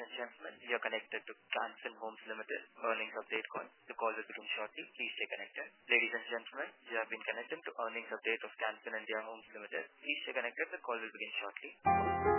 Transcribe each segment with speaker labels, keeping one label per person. Speaker 1: Ladies and gentlemen, you are connected to Can Fin Homes Limited. Earnings update is going to call you within shortly. Please stay connected. Ladies and gentlemen, you have been connected to earnings update of Can Fin Homes Limited. Please stay connected. The call will begin shortly.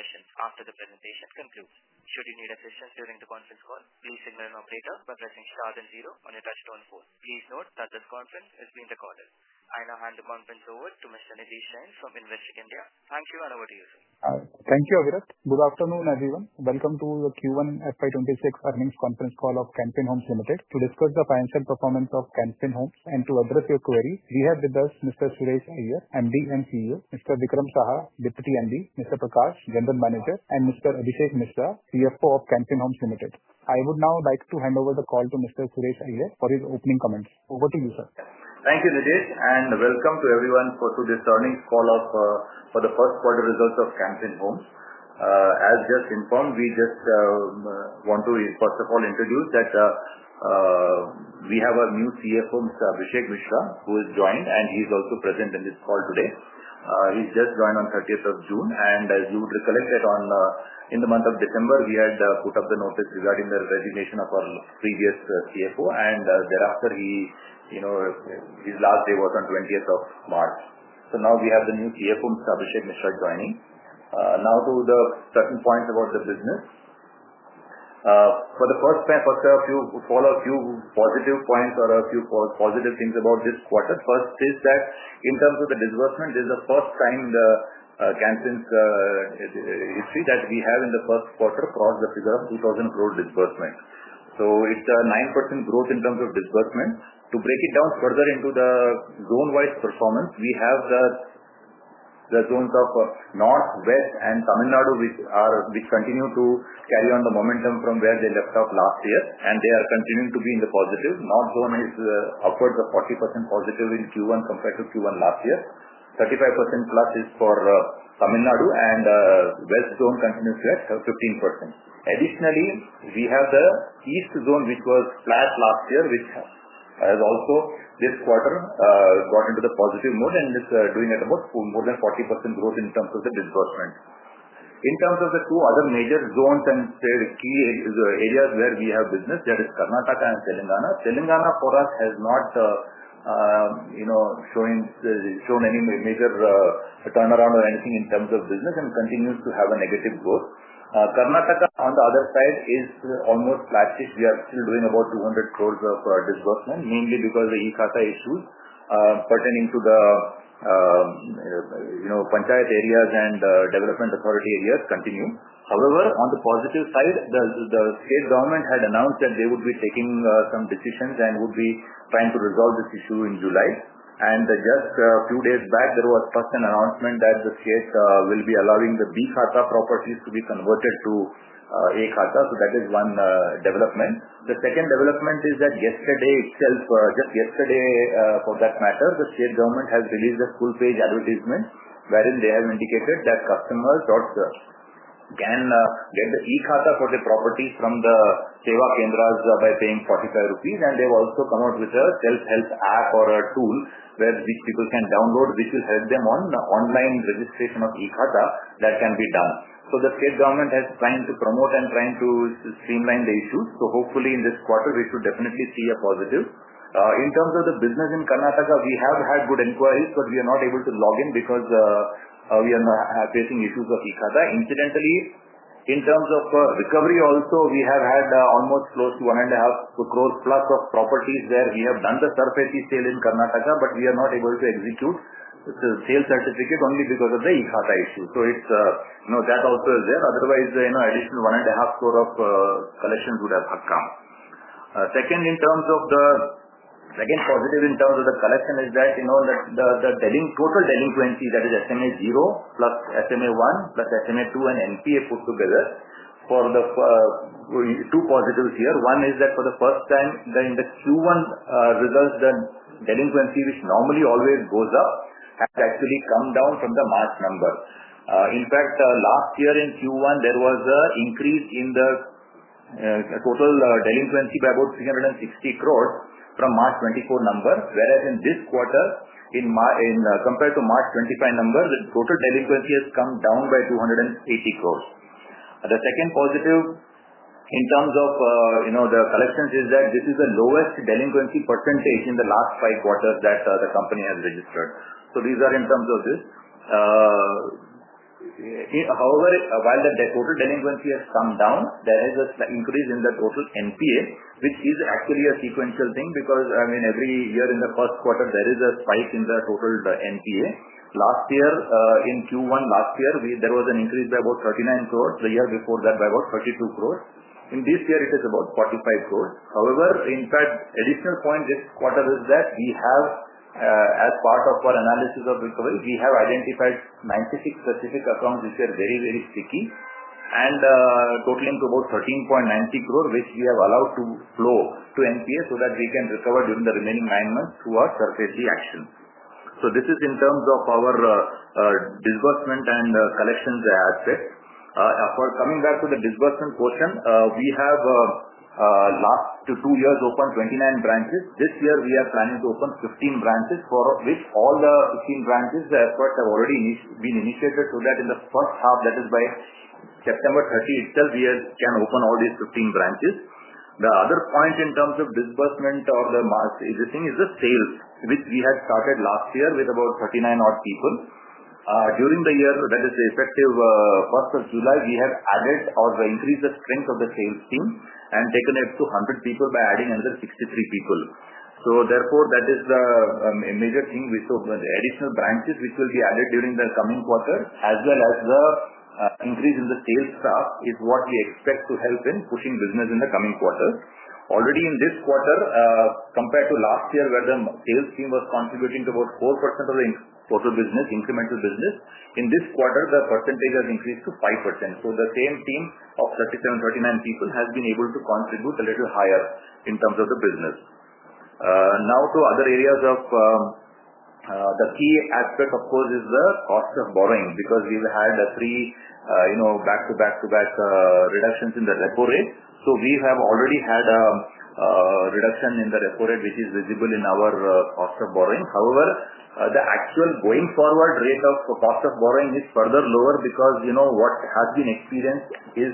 Speaker 1: questions after the presentation concludes. Should you need assistance during the conference call, please email our operator by pressing star and zero on your touch-tone phone. Please note that this conference is being recorded. I now hand the conference over to Mr. Nidlesh Jain from Investec India. Thank you and over to you, sir.
Speaker 2: Thank you, Apurav. Good afternoon, everyone. Welcome to the Q1 FY 2026 earnings conference call of Can Fin Homes Limited. To discuss the finance and performance of Can Fin Homes and to address your queries, we have with us Mr. Suresh Iyer, MD and CEO, Mr. Vikram Saha, Deputy MD, Mr. Prakash, General Manager, and Mr. Adhisesh Mishra, CFO of Can Fin Homes Limited. I would now like to hand over the call to Mr. Suresh Iyer for his opening comments. Over to you, sir.
Speaker 3: Thank you, Nilesh, and welcome to everyone for this earnings call for the first quarter results of Can Fin Homes Limited. As just informed, we want to, first of all, introduce that we have our new CFO, Mr. Adhisesh Mishra, who has joined, and he's also present in this call today. He just joined on the 30th of June, and as you would recollect, in the month of December, we had put up the notice regarding the resignation of our previous CFO, and thereafter, his last day was on the 20th of March. Now we have the new CFO, Mr. Adhisesh Mishra, joining. Now to certain points about the business. For the first time, a few positive points or a few positive things about this quarter. First is that in terms of the disbursement, this is the first time in Can Fin Homes Limited's history that we have in the first quarter crossed the figure of 2,000 crore disbursement. It's a 9% growth in terms of disbursement. To break it down further into the zone-wise performance, we have the zones of North, West, and Tamil Nadu, which continue to carry on the momentum from where they left off last year, and they are continuing to be in the positive. North Zone is upwards of 40%+ in Q1 compared to Q1 last year. 35%+ is for Tamil Nadu, and West Zone continues to have 15%. Additionally, we have the East Zone, which was flat last year, which has also this quarter gone into the positive mode and is doing at about more than 40% growth in terms of the disbursement. In terms of the two other major zones and the key areas where we have business, that is Karnataka and Telangana. Telangana, for us, has not shown any major turnaround or anything in terms of business and continues to have a negative growth. Karnataka, on the other side, is almost flat. We are still doing about 200 crore of disbursement, mainly because of the E-Khata issues, pertaining to the Punjab areas and development authority areas continue. However, on the positive side, the state government had announced that they would be taking some decisions and would be trying to resolve this issue in July. Just a few days back, there was first an announcement that the state will be allowing the B-Khata properties to be converted to A-Khata. That is one development. The second development is that yesterday itself, just yesterday, for that matter, the state government has released a full-page advertisement wherein they have indicated that customers can get the E-Khata for the properties from the sewa pen drawers by paying INR 45. They've also come out with a self-help app or a tool which people can download, which will help them on the online registration of E-Khata that can be done. The state government is trying to promote and trying to streamline the issues. Hopefully, in this quarter, we should definitely see a positive. In terms of the business in Karnataka, we have had good inquiries, but we are not able to log in because we are not taking issues of E-Khata. Incidentally, in terms of recovery, also, we have had almost close to 1.5 crore plus of properties where we have done the surface sale in Karnataka, but we are not able to execute the sale certificate only because of the E-Khata issue. That also is there. Otherwise, additional 1.5 crore of collections would have happened. Second, in terms of the second positive in terms of the collection is that the total delinquency that is SMA zero plus SMA one plus SMA two and NPA put together for the two positives here. One is that for the first time, the Q1 results, the delinquency, which normally always goes up, has actually come down from the March number. In fact, last year in Q1, there was an increase in the total delinquency by about 360 crore from March 2024 numbers, whereas in this quarter, compared to March 2025 numbers, the total delinquency has come down by 280 crore. The second positive in terms of the collections is that this is the lowest delinquency percentage in the last five quarters that the company has registered. These are in terms of this. However, while the total delinquency has come down, there is an increase in the total NPA, which is actually a sequential thing because every year in the first quarter, there is a spike in the total NPA. Last year, in Q1 last year, there was an increase by about 39 crore. A year before that, by about 32 crore. In this year, it is about 45 crore. However, in fact, an additional point this quarter is that we have, as part of our analysis of recovery, identified 96 specific accounts which are very, very sticky and totaling to about 13.90 crore, which we have allowed to flow to NPA so that we can recover during the remaining nine months through our SARFAESI action. This is in terms of our disbursement and collections, I'd say. Coming back to the disbursement portion, in the last two years we have opened 29 branches. This year, we are planning to open 15 branches, for which all the 15 branches, the efforts have already been initiated so that in the first half, that is by September 30th, we can open all these 15 branches. The other point in terms of disbursement or the market existing is the sales, which we had started last year with about 39 odd people. During the year, that is effective July 1, we have added or increased the strength of the sales team and taken it to 100 people by adding another 63 people. Therefore, that is a major thing with the additional branches which will be added during the coming quarter, as well as the increase in the sales staff, which is what we expect to help in pushing business in the coming quarter. Already in this quarter, compared to last year where the sales team was contributing to about 4% of the total incremental business, in this quarter, the percentage has increased to 5%. The same team of 37-39 people has been able to contribute a little higher in terms of the business. Now, to other areas of the key aspect, of course, is the cost of borrowing because we've had the three back-to-back reductions in the repo rate. We have already had a reduction in the repo rate, which is visible in our cost of borrowing. However, the actual going forward rate of cost of borrowing is further lower because what has been experienced is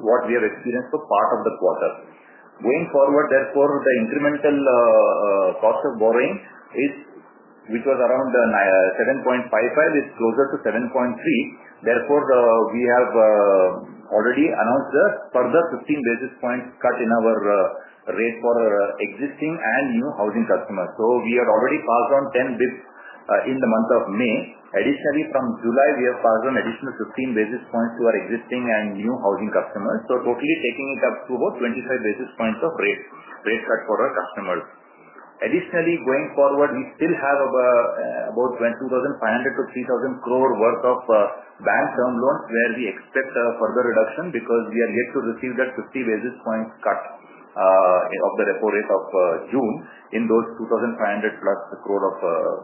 Speaker 3: what we have experienced for part of the quarter. Going forward, therefore, the incremental cost of borrowing, which was around 7.55%, is closer to 7.3%. We have already announced a further 15 basis points cut in our rate for existing and new housing customers. We had already passed on 10 bps in the month of May. Additionally, from July, we have passed on an additional 15 basis points to our existing and new housing customers, totally taking it up to about 25 basis points of rate cut for our customers. Additionally, going forward, we still have about 2,500-3,000 crore worth of bank term loans where we expect a further reduction because we are yet to receive that 50 basis points cut of the repo rate of June in those 2,500+ crore of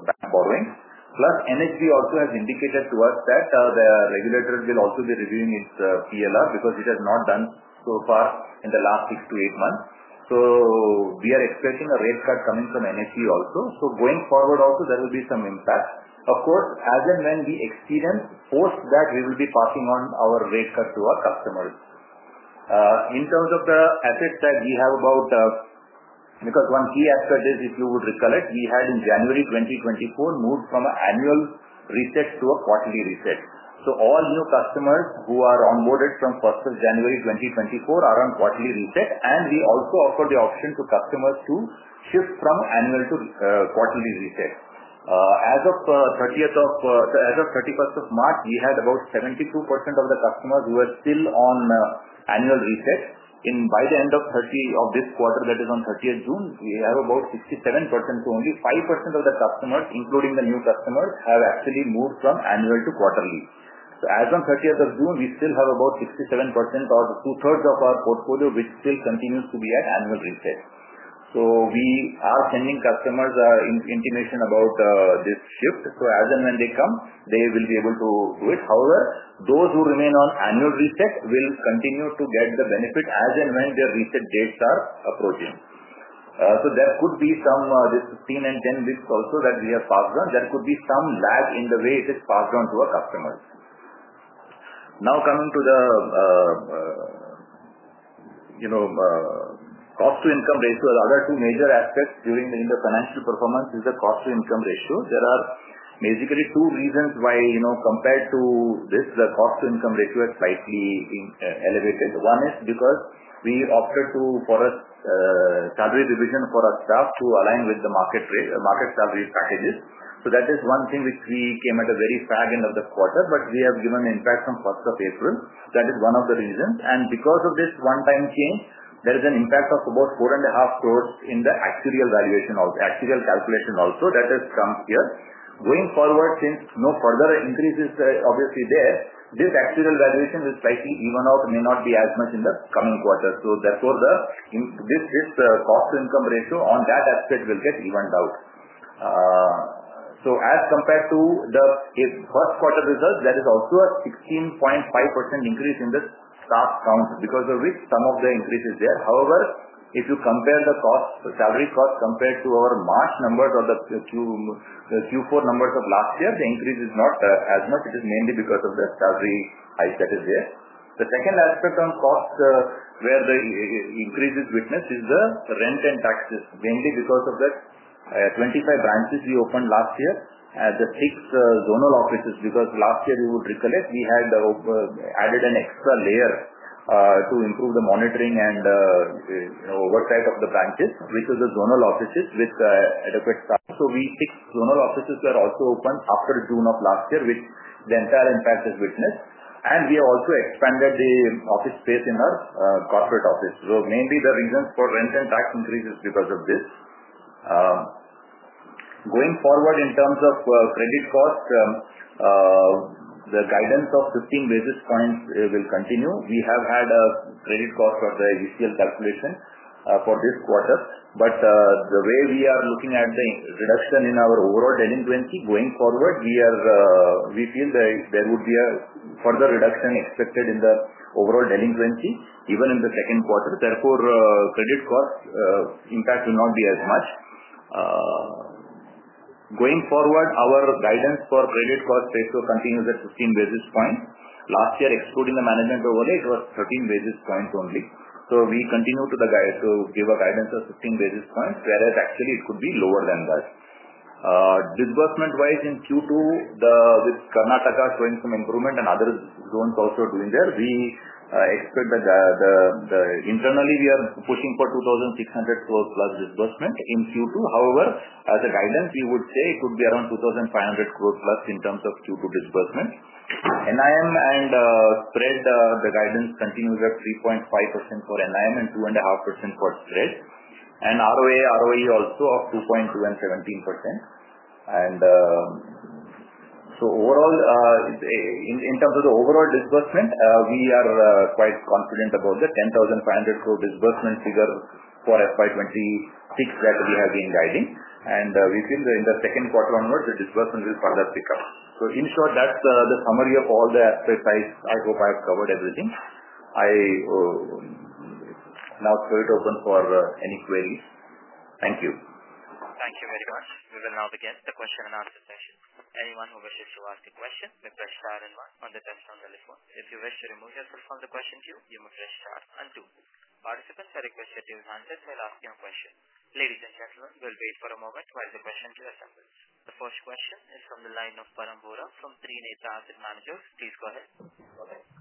Speaker 3: bank borrowings. Plus, NHB also has indicated to us that the regulators will also be reviewing its PLR because it has not done so far in the last six to eight months. We are expecting a rate cut coming from NHB also. Going forward, there will be some impact. Of course, as and when we experience post that, we will be passing on our rate cuts to our customers. In terms of the assets that we have about, because one key aspect is, if you would recollect, we had in January 2024 moved from an annual reset to a quarterly reset. All new customers who are onboarded from 1st of January 2024 are on quarterly reset. We also offered the option to customers to shift from annual to quarterly reset. As of 31st of March, we had about 72% of the customers who were still on annual resets. By the end of this quarter, that is on 30th June, we have about 67%. Only 5% of the customers, including the new customers, have actually moved from annual to quarterly. As of 30th of June, we still have about 67% or two-thirds of our portfolio, which still continues to be at annual reset. We are sending customers an intimation about this shift. As and when they come, they will be able to do it. However, those who remain on annual reset will continue to get the benefit as and when their reset dates are approaching. There could be some, this 15 and 10 risks also that we have passed on. There could be some lag in the way it is passed on to our customers. Now coming to the cost-to-income ratio, the other two major aspects during the financial performance is the cost-to-income ratio. There are basically two reasons why, compared to this, the cost-to-income ratio is slightly elevated. One is because we opted to for a salary division for our staff to align with the market salary packages. That is one thing which we came at a very sad end of the quarter, but we have given an impact from 1st of April. That is one of the reasons. Because of this one-time change, there is an impact of about 4.5 crore in the actuarial valuation also, actuarial calculation also that has come here. Going forward, since no further increase is obviously there, this actuarial valuation is pricing even out and may not be as much in the coming quarter. Therefore, this cost-to-income ratio on that aspect will get evened out. As compared to the first quarter results, there is also a 16.5% increase in the staff count because of which some of the increase is there. However, if you compare the cost, the salary cost compared to our March numbers or the Q4 numbers of last year, the increase is not as much. It is mainly because of the salary hike that is there. The second aspect on cost where the increase is witnessed is the rent and taxes, mainly because of the 25 branches we opened last year and the six zonal offices. Last year, you would recollect, we had added an extra layer to improve the monitoring and oversight of the branches, which is the zonal offices with adequate staff. We fixed zonal offices were also opened after June of last year, which the entire impact is witnessed. We also expanded the office space in our corporate office. Mainly the reasons for rent and tax increases are because of this. Going forward in terms of credit cost, the guidance of 15 basis points will continue. We have had a credit cost of the ACL calculation for this quarter. The way we are looking at the reduction in our overall delinquency going forward, we feel there would be a further reduction expected in the overall delinquency, even in the second quarter. Therefore, credit cost impact will not be as much. Going forward, our guidance for credit cost is to continue with 15 basis points. Last year, excluding the management overage, it was 13 basis points only. We continue to give a guidance of 15 basis points, whereas actually, it could be lower than that. Disbursement-wise, in Q2, with Karnataka showing some improvement and other zones also doing there, we expect that internally, we are pushing for 2,600 crore plus disbursement in Q2. However, as a guidance, we would say it could be around 2,500 crore plus in terms of Q2 disbursement. NIM and spread, the guidance continues at 3.5% for NIM and 2.5% for spread. ROA, ROE also of 2.2% and 17%. Overall, in terms of the overall disbursement, we are quite confident about the 10,500 crore disbursement figure for FY 2026 that we have been guiding. We feel in the second quarter onward, the disbursement will further pick up. In short, that's the summary of all the exercise. I hope I have covered everything. I now throw it open for any queries. Thank you.
Speaker 1: Thank you very much. We will now begin the question and answer session. Anyone who wishes to ask a question, request share and mark on the touch-tone telephone. If you wish to remove your screen from the question queue, you must restart and do. Participants that request your queue answered will ask you a question. Ladies and gentlemen, we'll wait for a moment while the question queue assembles. The first question is from the line of Param Vora from Trienetra Asset Managers. Please go ahead.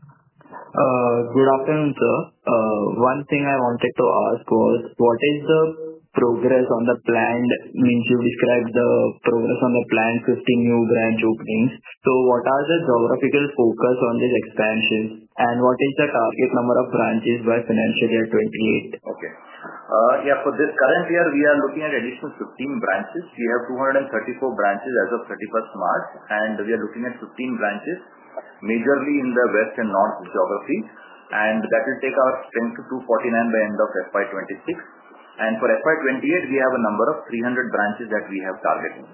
Speaker 4: Good afternoon, sir. One thing I wanted to ask was what is the progress on the planned, you described the progress on the planned 15 new branch openings? What are the geographical focus on these expansions? What is the target number of branches by financial year 2028?
Speaker 3: Okay. Yeah, for this current year, we are looking at additional 15 branches. We have 234 branches as of 31st March, and we are looking at 15 branches, majorly in the West and North geographies. That will take our strength to 249 by the end of FY 2026. For FY 2028, we have a number of 300 branches that we have targeted.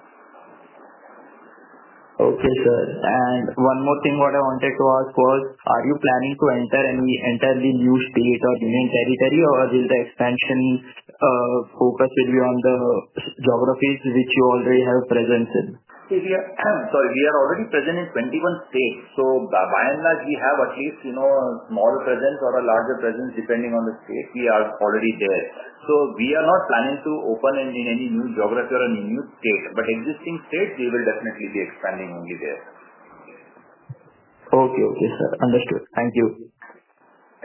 Speaker 4: Okay, sir. One more thing I wanted to ask was, are you planning to enter any entirely new state or union territory, or will the expansion focus be on the geographies which you already have present?
Speaker 3: We are already present in 21 states. By and large, we have at least a small presence or a larger presence depending on the state. We are already there. We are not planning to open in any new geography or a new state, but existing states, we will definitely be expanding only there.
Speaker 4: Okay, okay, sir. Understood. Thank you.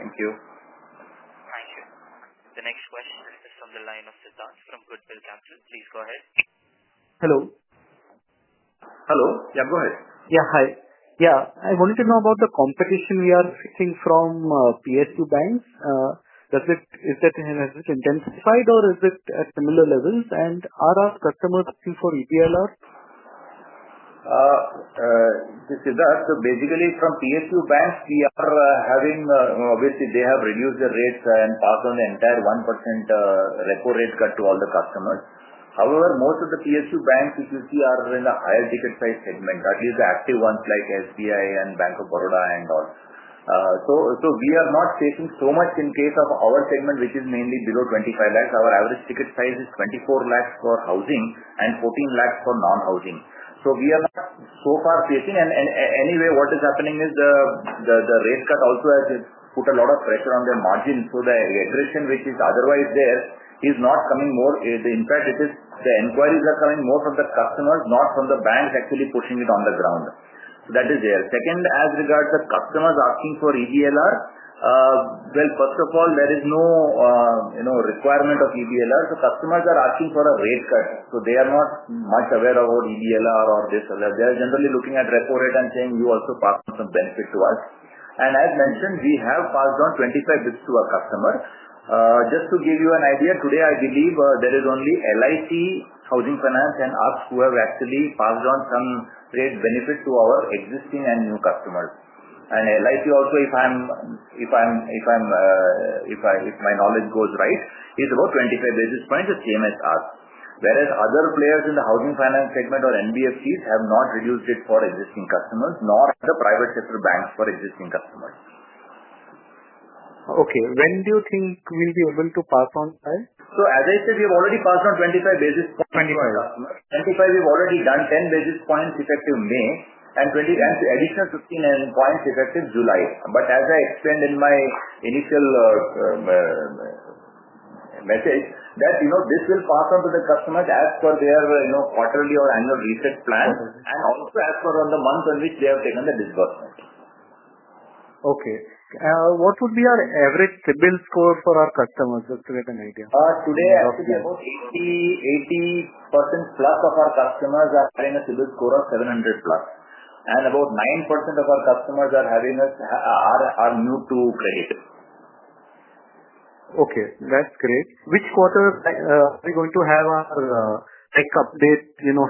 Speaker 3: Thank you.
Speaker 4: Thank you.
Speaker 1: The next question is from the line of Siddharth from Goodfell Capital. Please go ahead.
Speaker 3: Hello. Yeah, go ahead. Hi. I wanted to know about the competition we are seeing from PSU banks. Is that in a sense intensified or is it at similar levels? Are our customers looking for EPLR? To Siddharth, so basically from PSU banks, we are having, obviously, they have reduced their rates and passed on the entire 1% repo rate cut to all the customers. However, most of the PSU banks which you see are in the higher ticket size segment, that is the active ones like SBI and Bank of Baroda and all. We are not facing so much in case of our segment, which is mainly below 2.5 million. Our average ticket size is 2.4 million for housing and 1.4 million for non-housing. We are so far facing. Anyway, what is happening is the rate cut also has put a lot of pressure on the margins. The aggression, which is otherwise there, is not coming more. In fact, the inquiries are coming more from the customers, not from the banks actually pushing it on the ground. That is there. Second, as regards to customers asking for EDLR, first of all, there is no requirement of EDLR. Customers are asking for a rate cut. They are not much aware of what EDLR or this or that. They are generally looking at repo rate and saying, "You also passed on some benefits to us." As mentioned, we have passed on 25 bps to our customers. Just to give you an idea, today, I believe there is only LIC Housing Finance and us who have actually passed on some rate benefits to our existing and new customers. LIC also, if my knowledge goes right, is about 25 basis points at CMSR. Other players in the housing finance segment or NBFCs have not reduced it for existing customers, nor have the private sector banks for existing customers. Okay. When do you think we'll be open to pass on? As I said, we have already passed on 25 basis points. 25. We've already done 10 basis points effective May and an additional 15 basis points effective July. As I explained in my initial message, this will pass on to the customers as per their quarterly or annual reset plan and also as per the month in which they have taken the disbursement. Okay. What would be our average sales score for our customers just to get an idea? Today, about 80%+ of our customers are paying a CIBIL score of 700+. About 9% of our customers are new to credit. Okay. That's great. Which quarter are we going to have our tech update? You know,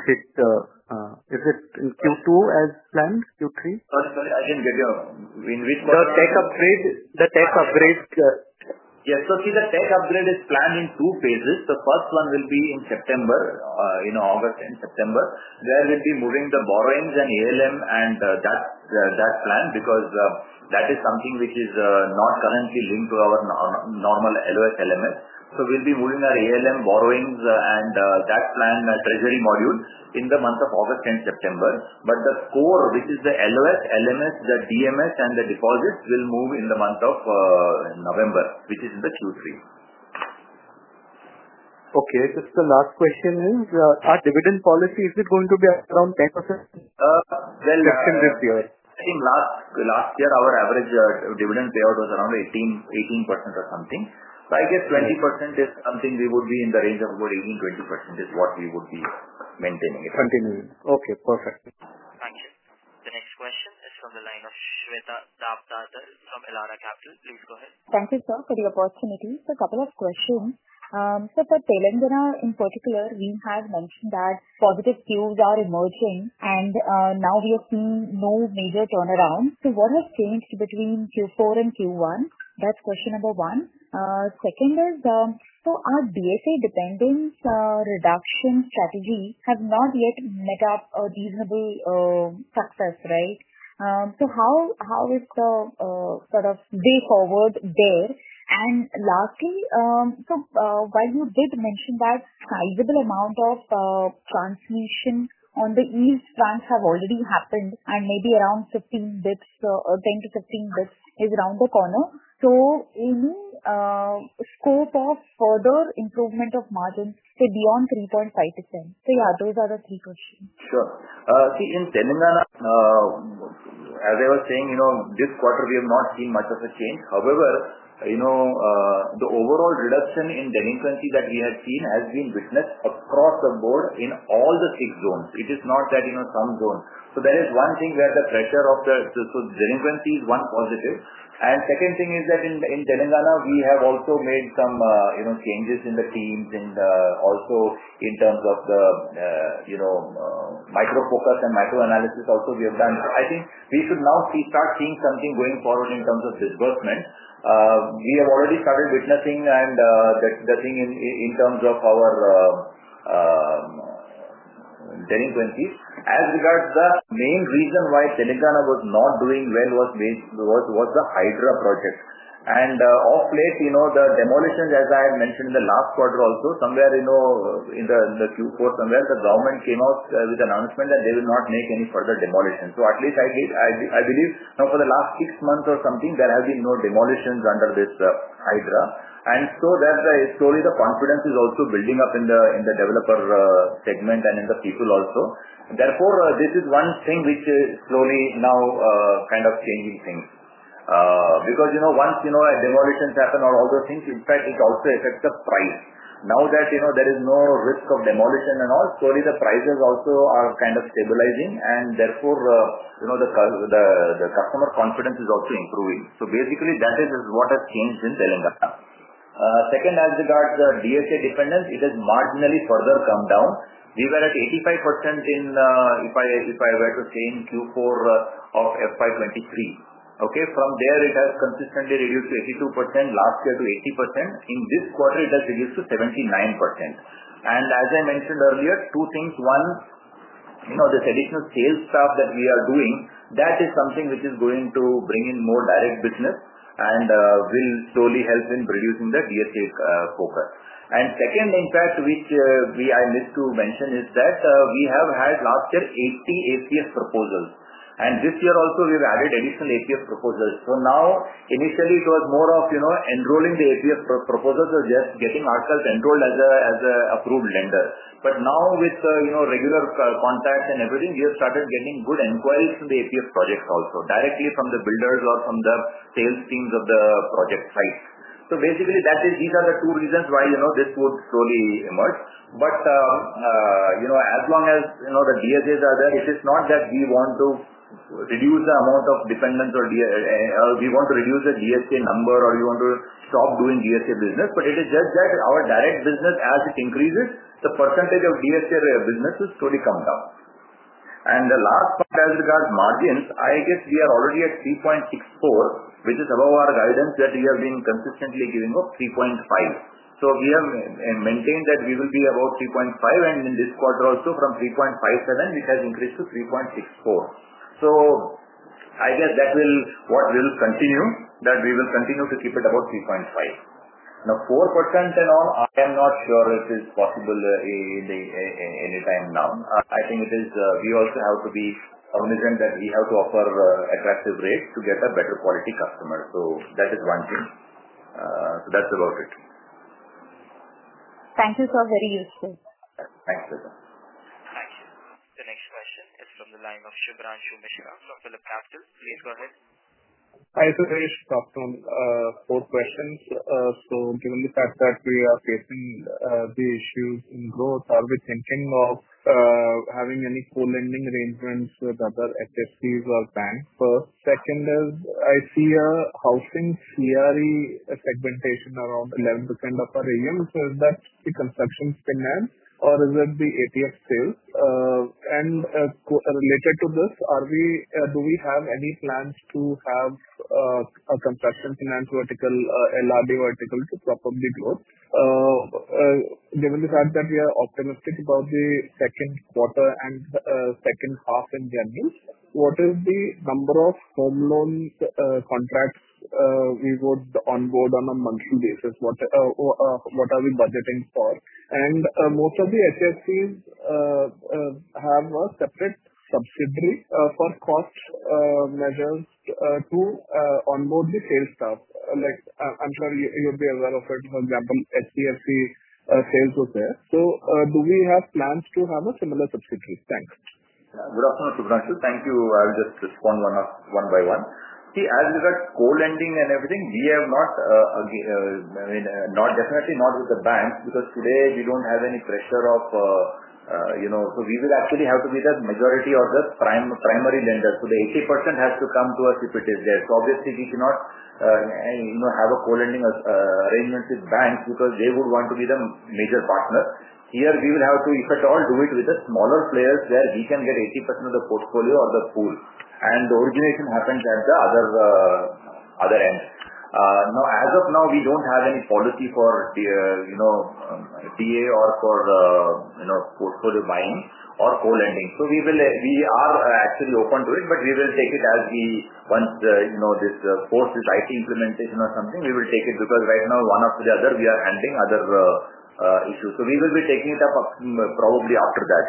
Speaker 3: is it in Q2 as planned? Q3? Sorry, I didn't get you. In which quarter? The tech upgrade. The tech upgrade. Yes. The tech upgrade is planned in two phases. The first one will be in August and September, where we'll be moving the borrowings and ALM, and that's planned because that is something which is not currently linked to our normal LOF/LMS. We'll be moving our ALM borrowings and that planned treasury module in the month of August and September. The core, which is the LOF, LMS, the DMS, and the deposits, will move in the month of November, which is in Q3. Okay. Just the last question is, our dividend policy, is it going to be around 10%? Last year, our average dividend payout was around 18% or something. I guess 20% is something we would be in the range of about 18%, 20% is what we would be maintaining. Continuing. Okay. Perfect. Thank you.
Speaker 1: The next question is from the line of Shweta Daptardar from Elara Capital. Please go ahead.
Speaker 5: Thank you, sir, for the opportunity. A couple of questions. For Telangana in particular, we have mentioned that positive cues are emerging, and now we are seeing no major turnaround. What has changed between Q4 and Q1? That's question number one. Second is, our BSA dependence reduction strategy has not yet met up a reasonable success, right? How is the kind of day forward there? Lastly, while you did mention that sizable amount of translation on the east branch has already happened, and maybe around 15 bps or 10 to 15 bps is around the corner, any scope of further improvement of margin to beyond 3.5%? Those are the three questions.
Speaker 3: Sure. See, in Telangana, as I was saying, this quarter, we have not seen much of a change. However, the overall reduction in delinquency that we have seen has been witnessed across the board in all the six zones. It is not lagging on some zones. That is one thing where the pressure of the, so delinquency is one positive. Second thing is that in Telangana, we have also made some changes in the teams and also in terms of the micro-focus and micro-analysis also we have done. I think we should now start seeing something going forward in terms of disbursement. We have already started witnessing and getting in in terms of our delinquencies. As regards to the main reason why Telangana was not doing well was the Hydra project. Of late, the demolitions, as I had mentioned in the last quarter also, somewhere in Q4, the government came out with an announcement that they will not make any further demolitions. At least, I believe, now for the last six months or something, there have been no demolitions under this Hydra. The confidence is also building up in the developer segment and in the people also. Therefore, this is one thing which is slowly now kind of changing things. Because once a demolition happens or all those things, it also affects the price. Now that there is no risk of demolition and all, slowly the prices also are kind of stabilizing, and therefore, the customer confidence is also improving. Basically, that is what has changed in Telangana. Second, as regards the BSA dependence, it has marginally further come down. We were at 85% in, if I were to say, in Q4 of FY 2023. From there, it has consistently reduced to 82% last year to 80%. In this quarter, it has reduced to 79%. As I mentioned earlier, two things. One, this additional sales staff that we are doing, that is something which is going to bring in more direct business and will slowly help in reducing the BSA's cover. Second impact, which I missed to mention, is that we have had last year 80 ACF proposals. This year also, we've added additional ACF proposals. Now, initially, it was more of enrolling the ACF proposals or just getting ourselves enrolled as an approved lender. Now, with regular contacts and everything, we have started getting good inquiries from the ACF projects also, directly from the builders or from the sales teams of the project sites. Basically, these are the two reasons why this would slowly emerge. As long as the BSAs are there, it's not that we want to reduce the amount of dependence or we want to reduce the BSA number or we want to stop doing BSA business. It is just that our direct business, as it increases, the percentage of BSA business has slowly come down. The last point as regards margins, I guess we are already at 3.64%, which is above our guidance that we have been consistently giving of 3.5%. We have maintained that we will be above 3.5%, and in this quarter also, from 3.57%, it has increased to 3.64%. I guess that is what will continue, that we will continue to keep it above 3.5%. Now, 4% and all, I am not sure if it's possible any time now. I think we also have to be cognizant that we have to offer attractive rates to get a better quality customer. That is one thing. That's about it.
Speaker 5: Thank you, sir. Very useful.
Speaker 3: Thanks, Siddharth.
Speaker 1: Thank you. The next question is from the line of Shubhranshu Mishra from Phillip Capital. Please go ahead.
Speaker 6: I have to say, top four questions. Given the fact that we are facing the issues in growth, are we thinking of having any co-lending arrangements with other HFCs or banks? Second is, I see a housing CRE segmentation around 11% of our AUM. Is that the construction finance, or is it the LRD sales? Related to this, do we have any plans to have a construction finance vertical, LRD vertical to probably grow? Given the fact that we are optimistic about the second quarter and second half in general, what is the number of home loan contracts we would onboard on a monthly basis? What are we budgeting for? Most of the HFCs have a separate subsidiary for cost measure to onboard the sales staff. I'm sure you'll be aware of it from the HDFC sales group there. Do we have plans to have a similar subsidiary? Thanks.
Speaker 3: Good afternoon, Shubhranshu. Thank you. I'll just respond one by one. As regards co-lending and everything, we are not, I mean, definitely not with the banks because today we don't have any pressure, you know, because we will actually have to be the majority of the primary lender. The 80% has to come to us if it is there. Obviously, we cannot have a co-lending arrangement with banks because they would want to be the major partner. Here, we will have to, if at all, do it with the smaller players where we can get 80% of the portfolio or the pool, and the origination happens at the other end. As of now, we don't have any policy for, you know, PA or for, you know, portfolio buying or co-lending. We are actually open to it, but we will take it as we once, you know, this forces IT implementation or something, we will take it because right now, one after the other, we are handling other issues. We will be taking it up probably after that.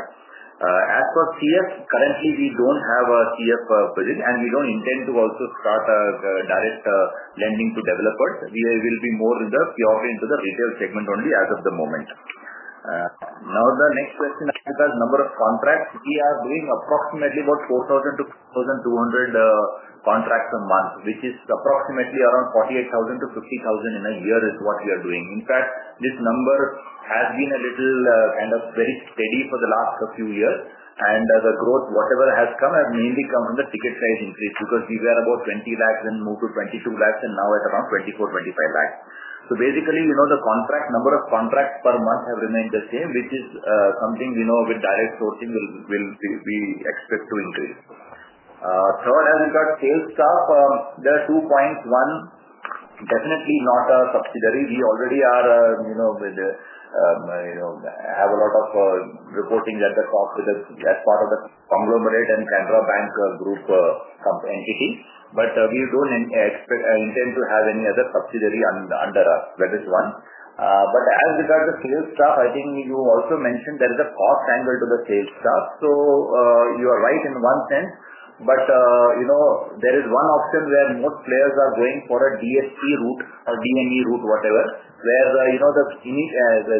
Speaker 3: As for CF, currently, we don't have a CF position, and we don't intend to also start a direct lending to developers. We will be more reserved. We are only into the retail segment only as of the moment. The next question is, because the number of contracts, we are doing approximately about 4,000 to 4,200 contracts a month, which is approximately around 48,000 to 50,000 in a year is what we are doing. In fact, this number has been a little kind of very steady for the last few years, and the growth, whatever has come, has mainly come from the ticket size increase because we were about 2 million and moved to 2.2 million, and now it's around 2.4 million-2.5 million. Basically, the number of contracts per month has remained the same, which is something we know with direct sourcing will be expected to increase. Third, as regards sales staff, there are two points. One, definitely not a subsidiary. We already are, you know, have a lot of reporting that the corporate is as part of the conglomerate and Canara Bank Group entities. We don't intend to have any other subsidiary under us for this one. As regards the sales staff, I think you also mentioned there is a cost angle to the sales staff. You are right in one sense. There is one option where most players are going for a DST route or DME route, whatever, where the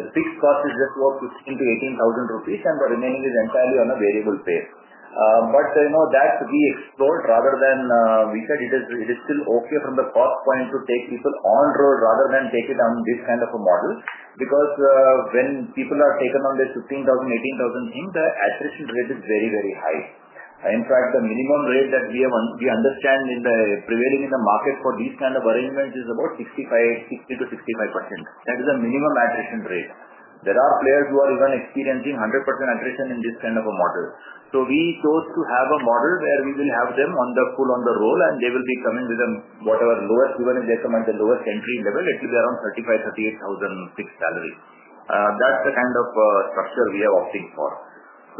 Speaker 3: fixed cost is just about 15,000-18,000 rupees, and the remaining is entirely on a variable pay. That to be explored rather than, we said it is still okay from the cost point to take people on roll rather than take it on this kind of a model because when people are taken on the 15,000, 18,000, the attrition rate is very, very high. In fact, the minimum rate that we understand prevailing in the market for these kind of arrangements is about 65%-65%. That is the minimum attrition rate. There are players who are even experiencing 100% attrition in this kind of a model. We chose to have a model where we will have them on the full on the roll, and they will be coming with whatever lowest, even if they come at the lowest entry level. It will be around 35,000, INR 38,000 salaries. That's the kind of structure we are opting for.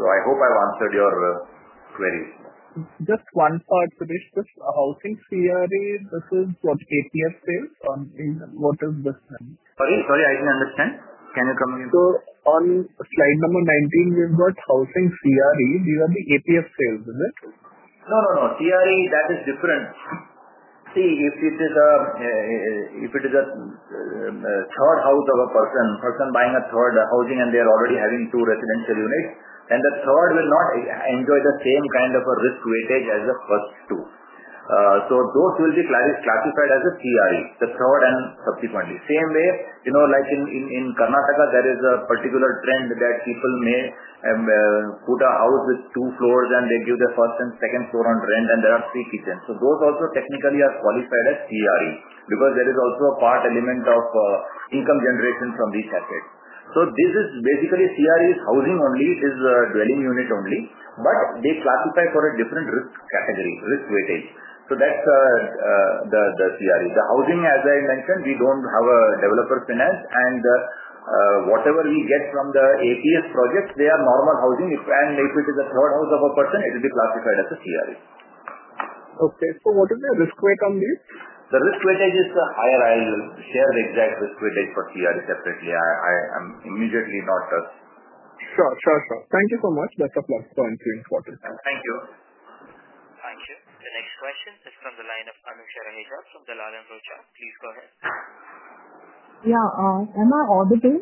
Speaker 3: I hope I've answered your queries.
Speaker 6: Just one part, please. Just housing, CRE, this is what APS sales on, what is this?
Speaker 3: Sorry, I didn't understand. Can you come again?
Speaker 6: On slide number 19, we've got housing CRE. These are the APS sales, is it?
Speaker 3: No, no, no. CRE, that is different. If it is a third house of a person, a person buying a third housing, and they are already having two residential units, then the third will not enjoy the same kind of a risk weightage as the first two. Those will be classified as a CRE, the third and subsequently. In Karnataka, there is a particular trend that people may put a house with two floors, and they give the first and second floor on rent, and there are three kitchens. Those also technically are qualified as CRE because there is also a part element of income generation from this asset. This is basically CRE housing only. It is a dwelling unit only, but they classify for a different risk category, risk weightage. That's the CRE. The housing, as I mentioned, we don't have a developer finance, and whatever we get from the APS projects, they are normal housing. If it is a third house of a person, it will be classified as a CRE.
Speaker 6: Okay. What is the risk rate on this?
Speaker 3: The risk weightage is higher. I'll share the exact risk weightage for CRE separately. I'm immediately not sure.
Speaker 6: Sure, sure. Thank you so much. That's a plus point to inform.
Speaker 3: Thank you.
Speaker 1: Thank you. The next question is from the line of Anushya Raheja from Dalal and Rocha. Please go ahead.
Speaker 7: Yeah, am I audible?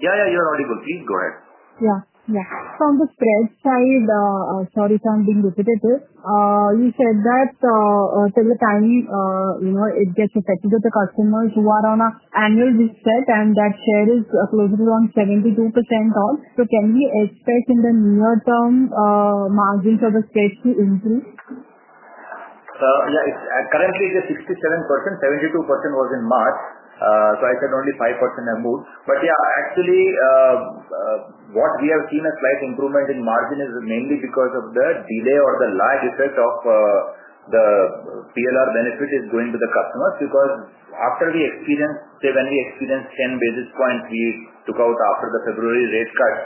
Speaker 3: Yeah, yeah, you're audible. Please go ahead.
Speaker 7: Yeah. From the spread side, sorry for being repetitive. You said that from the time it gets affected with the customers who are on an annual reset, and that share is closer to around 72%. Can we expect in the near term, margins of the space to increase?
Speaker 3: Yeah, currently it's at 67%. 72% was in March. I said only 5% have moved. Actually, what we have seen as improvement in margin is mainly because of the delay or the lag effect of the PLR benefit going to the customers. After we experienced, say, when we experienced 10 basis points, we took out after the February rate cut.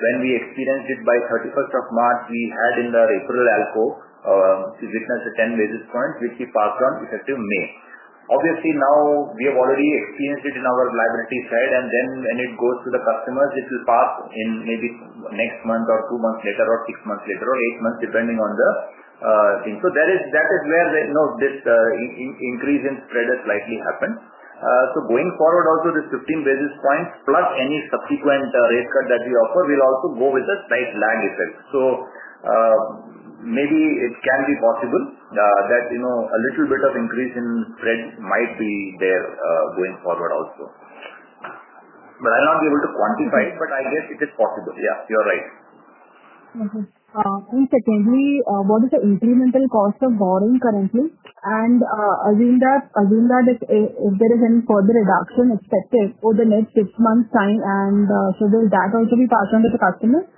Speaker 3: When we experienced it by March 31, we had in the April ELCO, which is different as a 10 basis point, which we passed on effective May. Obviously, now we have already experienced it on our liability side, and then when it goes to the customers, it will pass in maybe next month or two months later or six months later or eight months, depending on the thing. That is where this increase in spread has slightly happened. Going forward, also the 15 basis points plus any subsequent rate cut that we offer will also go with a slight lag effect. It can be possible that a little bit of increase in spread might be there going forward also. I'll not be able to quantify it, but I guess it is possible. Yeah, you're right.
Speaker 7: What is the incremental cost of borrowing currently? Assuming that if there is any further reduction, it's effective over the next six months' time, will that also be passed on to the customer?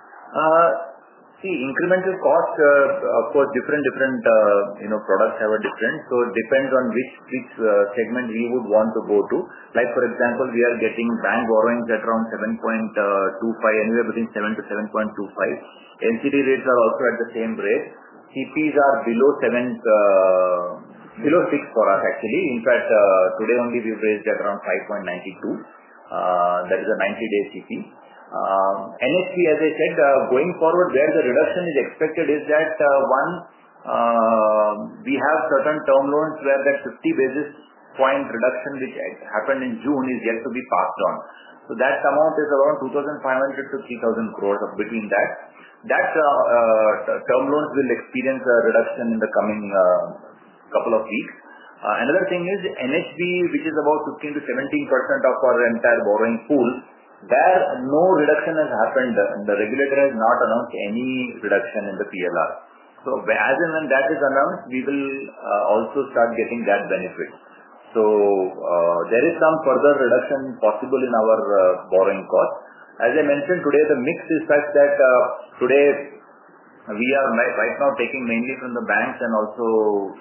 Speaker 3: See, incremental costs for different, different, you know, products have a difference. It depends on which segment you would want to go to. For example, we are getting bank borrowings at around 7.25, anywhere between 7% to 7.25%. NCD rates are also at the same rate. CPs are below 7%, below 6% for us, actually. In fact, today only we've raised at around 5.92%. That is a 90-day CP. NFC, as I said, going forward, where the reduction is expected is that, one, we have certain term loans where that 50 basis point reduction, which happened in June, is yet to be passed on. That amount is around 2,500-3,000 crore between that. That's term loans will experience a reduction in the coming couple of weeks. Another thing is NHB, which is about 15%-17% of our entire borrowing pool, there no reduction has happened, and the regulator has not announced any reduction in the PLR. As and when that is announced, we will also start getting that benefit. There is some further reduction possible in our borrowing cost. As I mentioned today, the mix is such that today we are right now taking mainly from the banks and also,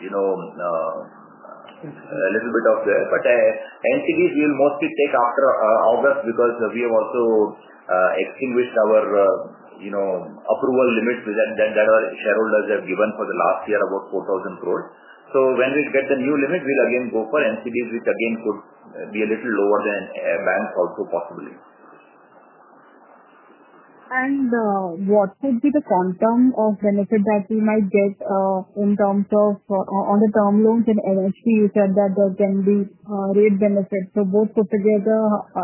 Speaker 3: you know, a little bit of there. NCDs we will mostly take after August because we have also extinguished our, you know, approval limits within that our shareholders have given for the last year, about 4,000 crore. When we get a new limit, we'll again go for NCDs, which again could be a little lower than banks also possibly.
Speaker 7: What can be the quantum of benefit that we might get in terms of on the term loans and NHB? You said that there can be rate benefits. Both put together,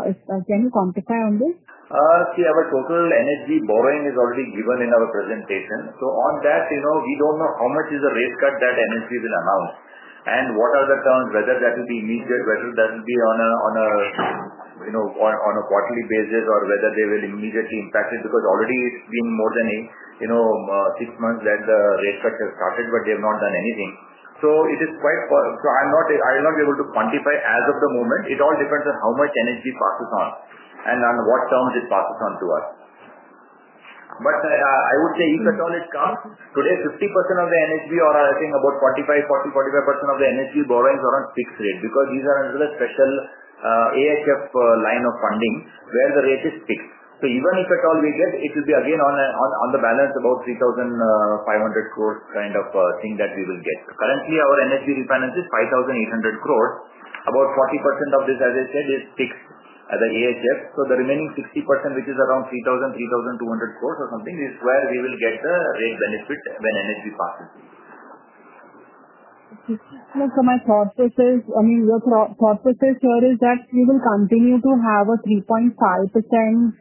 Speaker 7: if I can quantify on this.
Speaker 3: See, our total NHB borrowing is already given in our presentation. On that, we don't know how much is the rate cut that NHB will announce and what are the terms, whether that will be immediate, whether that will be on a quarterly basis, or whether they will immediately impact it because already it's been more than six months that the rate cuts have started, but they have not done anything. I'm not able to quantify as of the moment. It all depends on how much NHB passes on and on what terms it passes on to us. If at all it comes, today 50% of the NHB or I think about 40%, 45% of the NHB borrowings are on fixed rate because these are under the special AHF line of funding where the rate is fixed. Even if at all we get, it will be again on the balance, about 3,500 crore kind of thing that we will get. Currently, our NHB refinance is 5,800 crore. About 40% of this, as I said, is fixed as an AHF. The remaining 60%, which is around 3,000 crore, 3,200 crore or something, is where we will get the rate benefit when NHB passes the AHF.
Speaker 7: Just to clarify my purposes, I mean, your purpose here is that we will continue to have a 3.5%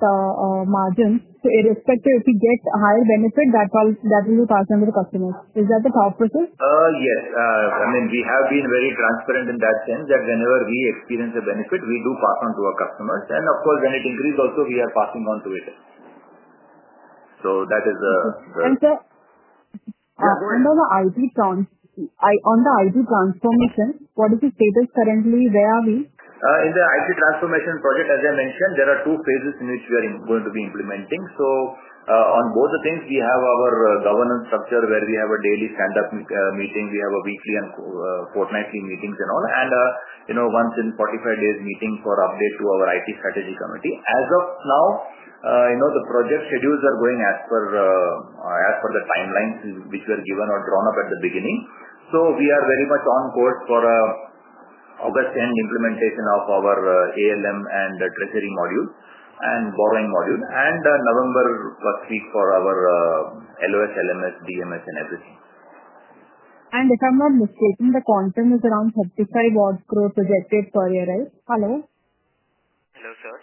Speaker 7: margin. Irrespective, if we get a higher benefit, that will be passed on to the customers. Is that the purpose?
Speaker 3: Yes, I mean, we have been very transparent in that sense that whenever we experience a benefit, we do pass on to our customers. Of course, when it increases, also we are passing on to it. That is the.
Speaker 7: Sir, going on the IT transformation, what is the status currently? Where are we?
Speaker 3: In the IT transformation project, as I mentioned, there are two phases in which we are going to be implementing. On both the things, we have our governance structure where we have a daily stand-up meeting, weekly and quarterly meetings, and once in 45 days, a meeting for update to our IT strategy committee. As of now, the project schedules are going as per the timelines which were given or drawn up at the beginning. We are very much on course for August and implementation of our ALM and the treasury module and borrowing module, and November last week for our LOS, LMS, DMS, and everything.
Speaker 7: If I'm not mistaken, the quantum is around 35 crore projected per year, right? Hello.
Speaker 3: Hello, sir.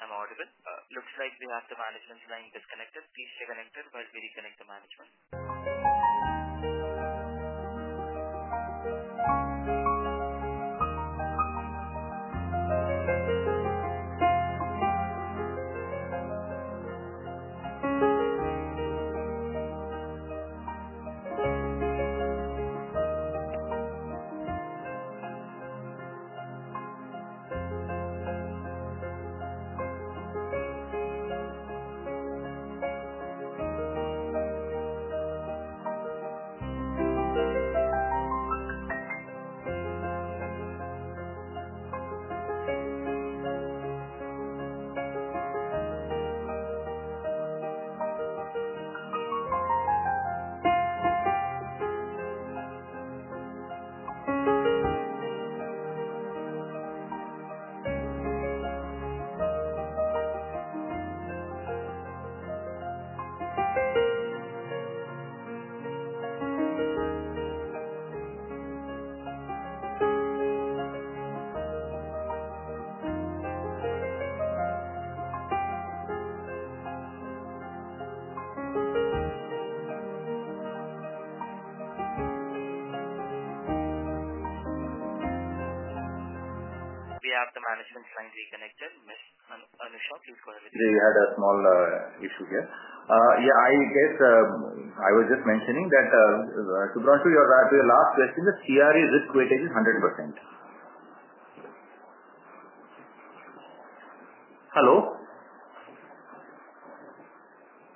Speaker 3: I'm audible.
Speaker 1: Looks like we have the management line disconnected. Please say enter while we reconnect the management. We have the management line reconnected. Ms. Anusha, please go ahead.
Speaker 3: We had a small issue here. I guess I was just mentioning that to your last question, the CRE risk weightage is 100%. Hello?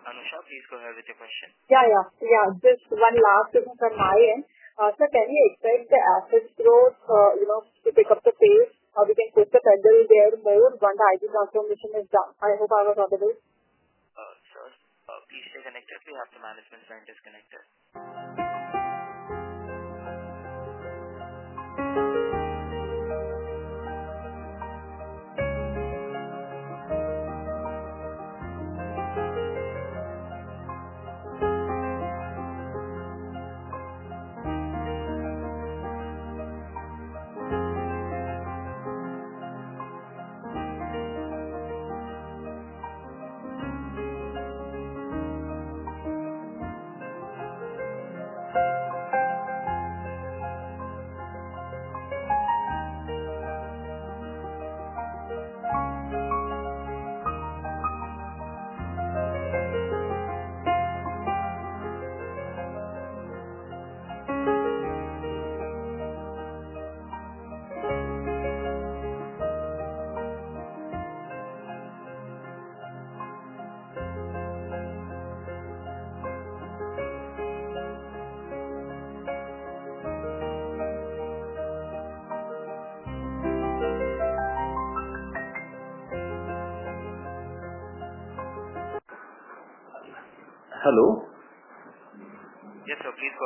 Speaker 1: Anusha, please go ahead with your question.
Speaker 7: Just one last thing from my end. Sir, can you extend the access throughout to pick up the sales? Or we can put the vendor there, maybe when the ID documentation is done. I hope I'm audible.
Speaker 3: Sure.
Speaker 1: Please disconnect it. We have the management line disconnected.
Speaker 3: Hello?
Speaker 1: Yes, sir. Please go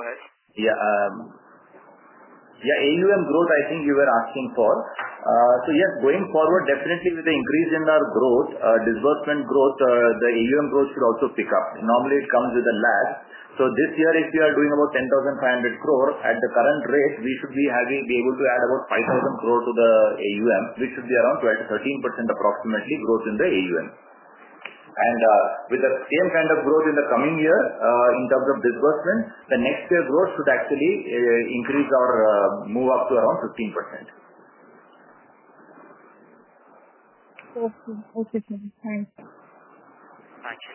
Speaker 1: ahead.
Speaker 3: Yeah. Yeah, AUM growth, I think you were asking for. Going forward, definitely with the increase in our growth, disbursement growth, the AUM growth should also pick up. Normally, it comes with a lag. This year, if you are doing about 10,500 crores at the current rate, we should be able to add about 5,000 crores to the AUM, which should be around 12%-13% approximately growth in the AUM. With the same kind of growth in the coming year in terms of disbursement, the next year growth should actually increase or move up to around 15%.
Speaker 7: Okay, sir. Thanks.
Speaker 1: Thank you.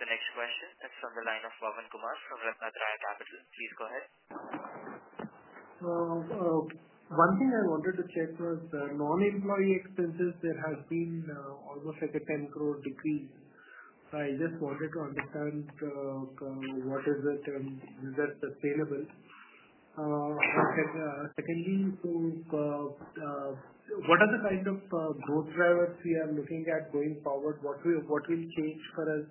Speaker 1: The next question is from the line of Arvind Kumar from Riverside Dialysis. Please go ahead. One thing I wanted to check was non-employee expenses. There has been almost like a 10 crore decrease. I just wanted to understand what is this and is that sustainable. Secondly, what are the kind of growth drivers we are looking at going forward? What will it take for us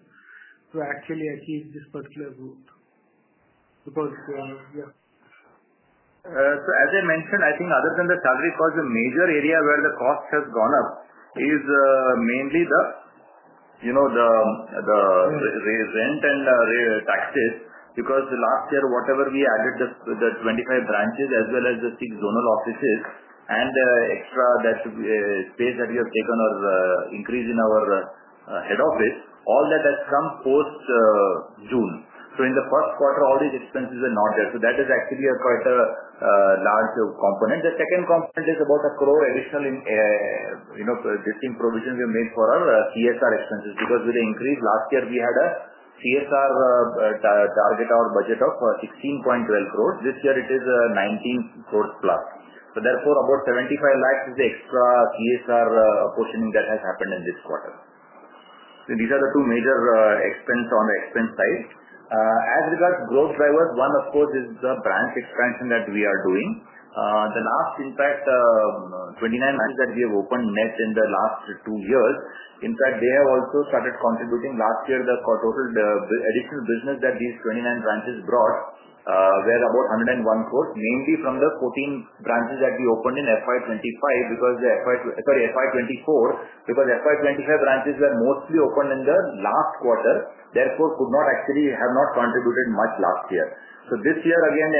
Speaker 1: to actually achieve this particular growth? Because yeah.
Speaker 3: As I mentioned, I think other than the salary cost, the major area where the cost has gone up is mainly the rent and the taxes because last year, whatever we added, just the 25 branches as well as the six zonal offices and the extra space that we have taken or increase in our head office, all that has come post-June. In the first quarter, all these expenses are not there. That is actually quite a large component. The second component is about 1 crore additional in improvisation we made for our CSR expenses because with the increase last year, we had a CSR target or budget of 15.12 crore. This year, it is 19 crore plus. Therefore, about 0.75 crore is the extra CSR apportioning that has happened in this quarter. These are the two major expenses on the expense side. As regards growth drivers, one, of course, is the branch expansion that we are doing. The last impact, 29 that we have opened in the last two years, in fact, they have also started contributing. Last year, the total additional business that these 29 branches brought was about 101 crore, mainly from the 14 branches that we opened in FY 2024 because the FY 2025 branches were mostly opened in the last quarter, therefore could not actually have contributed much last year. This year, again,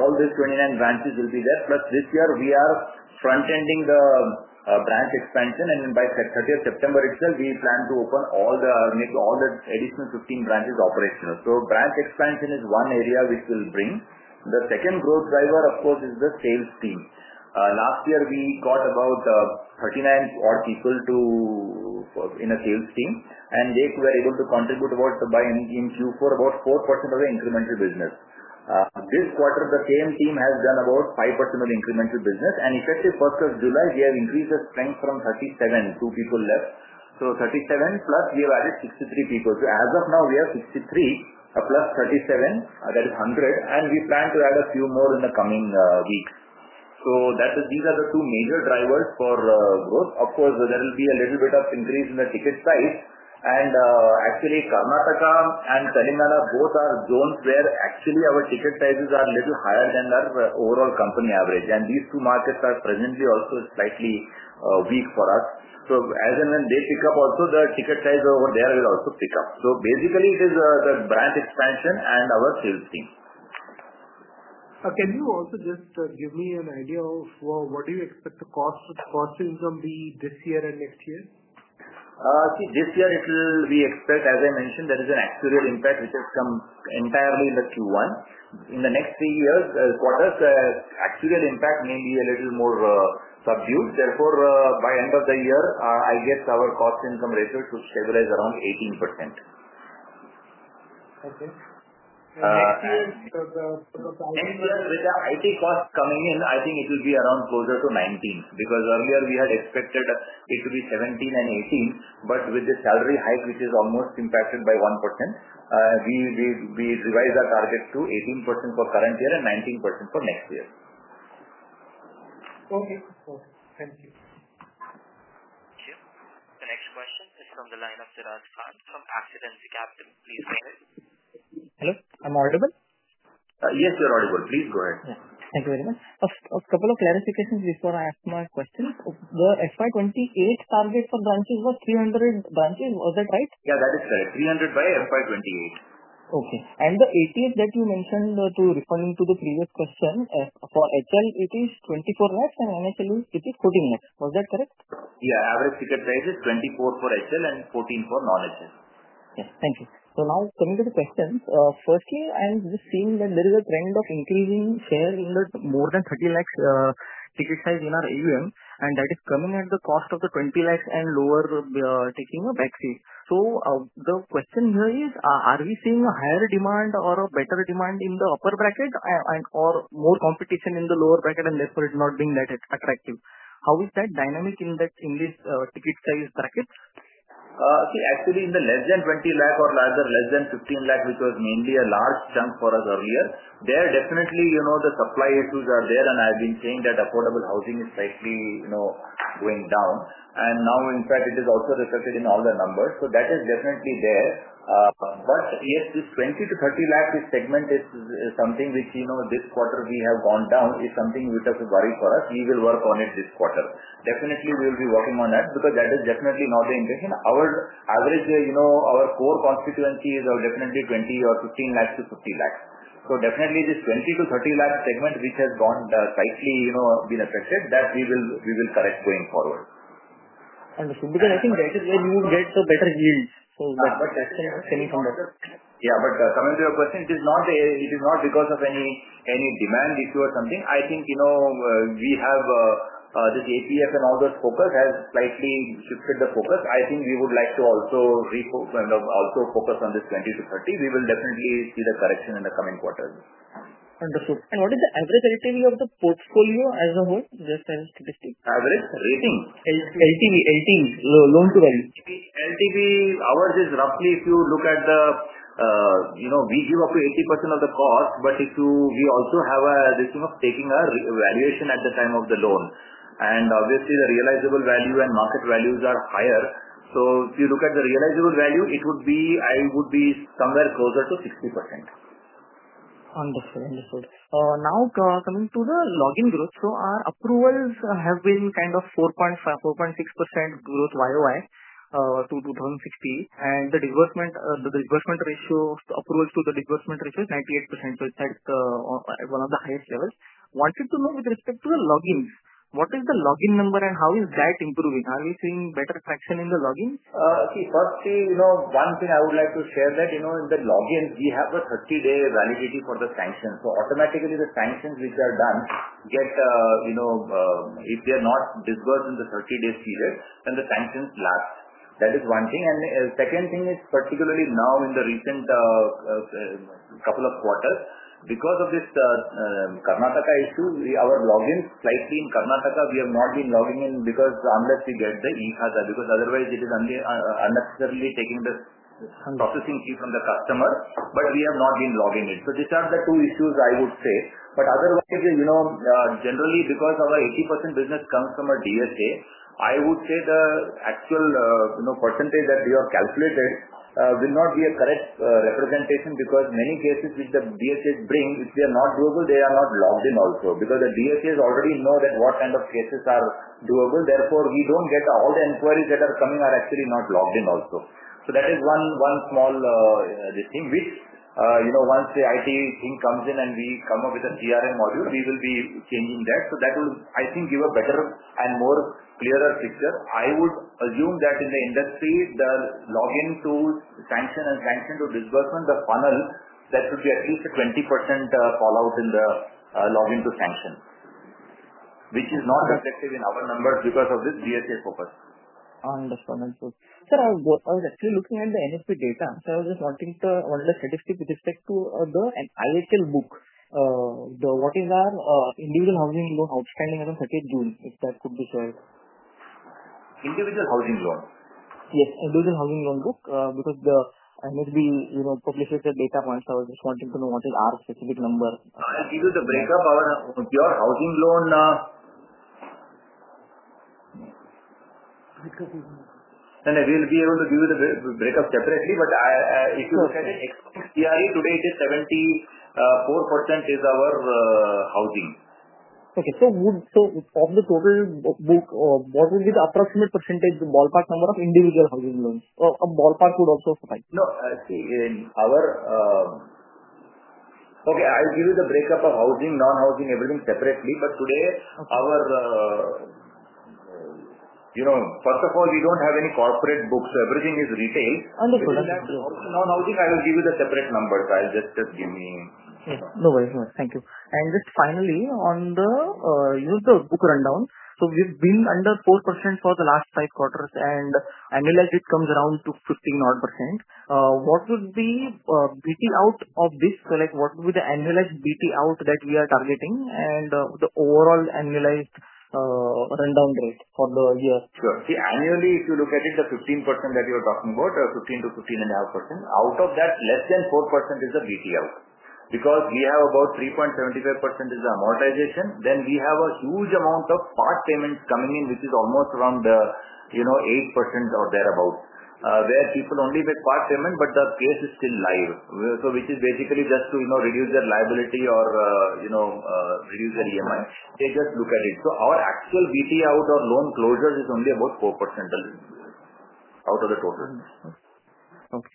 Speaker 3: all these 29 branches will be there. This year, we are front-ending the branch expansion, and by 30th September, we plan to open all the additional 15 branches operational. Branch expansion is one area which will bring growth. The second growth driver, of course, is the sales team. Last year, we got about 39 odd people to work in the sales team, and they were able to contribute in Q4 about 4% of the incremental business. This quarter, the same team has done about 5% of the incremental business. Effective 1st of July, we have increased the strength from 37, 2 people left, so 37 plus we have added 63 people. As of now, we have 63 plus 37, that is 100, and we plan to add a few more in the coming weeks. These are the two major drivers for growth. There will be a little bit of increase in the ticket size. Actually, Karnataka and Telangana both are zones where our ticket sizes are a little higher than our overall company average, and these two markets are presently also slightly weak for us. As and when they pick up, the ticket size over there will also pick up. Basically, it is the branch expansion and our sales team. Can you also just give me an idea of what do you expect the cost of the quarters will be this year and next year? See, this year, it will be, as I mentioned, there is an actuarial impact, which is entirely in the Q1. In the next three years, the quarter's actuarial impact may be a little more subdued. Therefore, by the end of the year, I guess our cost-to-income ratio should stabilize around 18%. Okay. With the IT cost coming in, I think it will be around closer to 19% because earlier we had expected it to be 17% and 18%. With the salary hike, which is almost impacted by 1%, we revised our targets to 18% for the current year and 19% for next year. Okay. Thank you. Sure.
Speaker 1: The next question is from the line of Siddharth Gand from Accidents Gap. Please go ahead. Hello. Am I audible?
Speaker 3: Yes, you're audible. Please go ahead. Thank you very much. Just a couple of clarifications before I ask my question. For FY 2028, target for branches was 300 branches. Was that right? Yeah, that is fair. 300 billion by FY 2028. Okay. The 80th that you mentioned too, referring to the previous question, for HL, it is 2.4 million and NFL, it is 1.4 million. Was that correct? Yeah, average ticket size is 24 lakh for home loans and 14 lakh for non-home loans. Yes, thank you. Now, coming to the questions, firstly, I'm just seeing that there is a trend of increasing share in the more than 3 million ticket size in our AUM. That is coming at the cost of the 2 million and lower taking a back seat. The question here is, are we seeing a higher demand or a better demand in the upper bracket and/or more competition in the lower bracket and therefore it's not being that attractive? How is that dynamic in these ticket size brackets? See, actually, in the less than 2 million or larger, less than 1.5 million, which was mainly a large jump for us earlier, there are definitely, you know, the supply issues are there. I've been saying that affordable housing is safely, you know, going down. Now, in fact, it is also reflected in all the numbers. That is definitely there. Yes, this 2 million-3 million segment is something which, you know, this quarter we have gone down is something which has worried for us. We will work on it this quarter. Definitely, we will be working on that because that is definitely now the increase in our average, you know, our core constituencies are definitely 2 million or 1.5 million-3 million. This 2 million-3 million segment, which has gone tightly, you know, been affected, that we will correct going forward. I think that is where we will get the better yields. That's what I'm saying from that. Yeah, coming to your question, it is not because of any demand issue or something. I think we have this ATF and all the focus has slightly shifted the focus. I think we would like to also kind of also focus on this 20 to 30. We will definitely see the correction in the coming quarter. Understood. What is the average LTV of the portfolio as a whole, just as a statistic? Average rating? LTV. LTV. Loan to LTV. LTV ours is roughly, if you look at the, you know, we give up to 80% of the cost. We also have a decision of taking a valuation at the time of the loan. Obviously, the realizable value and market values are higher. If you look at the realizable value, it would be somewhere closer to 60%. Understood. Now, coming to the login growth. Our approvals have been kind of 4.5, 4.6% growth year over year to 2016, and the disbursement ratio, approvals to the disbursement ratio, is 98%. It's at one of the highest levels. Wanted to know with respect to the logins, what is the login number and how is that improving? Are we seeing better traction in the logins? See, firstly, one thing I would like to share is that in the logins, we have a 30-day validity for the sanctions. Automatically, the sanctions which are done, if they are not disbursed in the 30-day period, then the sanctions lapse. That is one thing. The second thing is particularly now in the recent couple of quarters, because of this Karnataka issue, our logins slightly in Karnataka, we have not been logging in because unless we get the E-Khata, otherwise, it is only unnecessarily taking the processing fee from the customer. We have not been logging in. These are the two issues I would say. Other issues, generally, because our 80% business comes from a DSA, I would say the actual percentage that we have calculated will not be a correct representation because many cases which the DSAs bring, if they are not doable, they are not logged in also because the DSAs already know what kind of cases are doable. Therefore, we don't get all the inquiries that are coming, are actually not logged in also. That is one small thing which, once the IT team comes in and we come up with a CRM module, we will be changing that. That would, I think, give a better and more clearer picture. I would assume that in the industry, the login to sanction and sanction to disbursement, the funnel, that should be at least a 20% fallout in the login to sanction, which is not reflected in our numbers because of the DSA focus. Understood. Sir, I was actually looking at the NFP data. I was just wanting to understand the statistics with respect to the individual housing loan book, what is our individual housing loan outstanding as a second boon? If that could be served. Individual housing loan? Yes, individual housing loan book because the NHB publishes the data once. I was just wanting to know what is our specific number. I'll give you the breakup of your housing loan. Okay. I will be able to give you the breakup separately, but if you look at it, CRE today is 74% is our housing. Okay. Sir, of the total, what would be the approximate percentage ballpark number of individual housing loans? A ballpark would also apply. No, see, I'll give you the breakup of housing, non-housing, everything separately. Today, first of all, we don't have any corporate books. Everything is retail. Understood. Non-housing, I will give you the separate numbers. Just give me. No worries. No, thank you. Just finally, on the year-to-book rundown, we've been under 4% for the last five quarters, and annualized it comes around to 15% odd. What would be BT out of this? What would be the annualized BT out that we are targeting and the overall annualized rundown rate for the year? Sure. See, annually, if you look at it, the 15% that you're talking about, 15%-15.5%, out of that, less than 4% is the BT out because we have about 3.75% is the amortization. We have a huge amount of part payment coming in, which is almost around 8% or thereabouts, where people only make part payment, but the place is still live, which is basically just to reduce their liability or reduce their EMI. They just look at it. Our actual BT out or loan closures is only about 4% out of the total. Okay.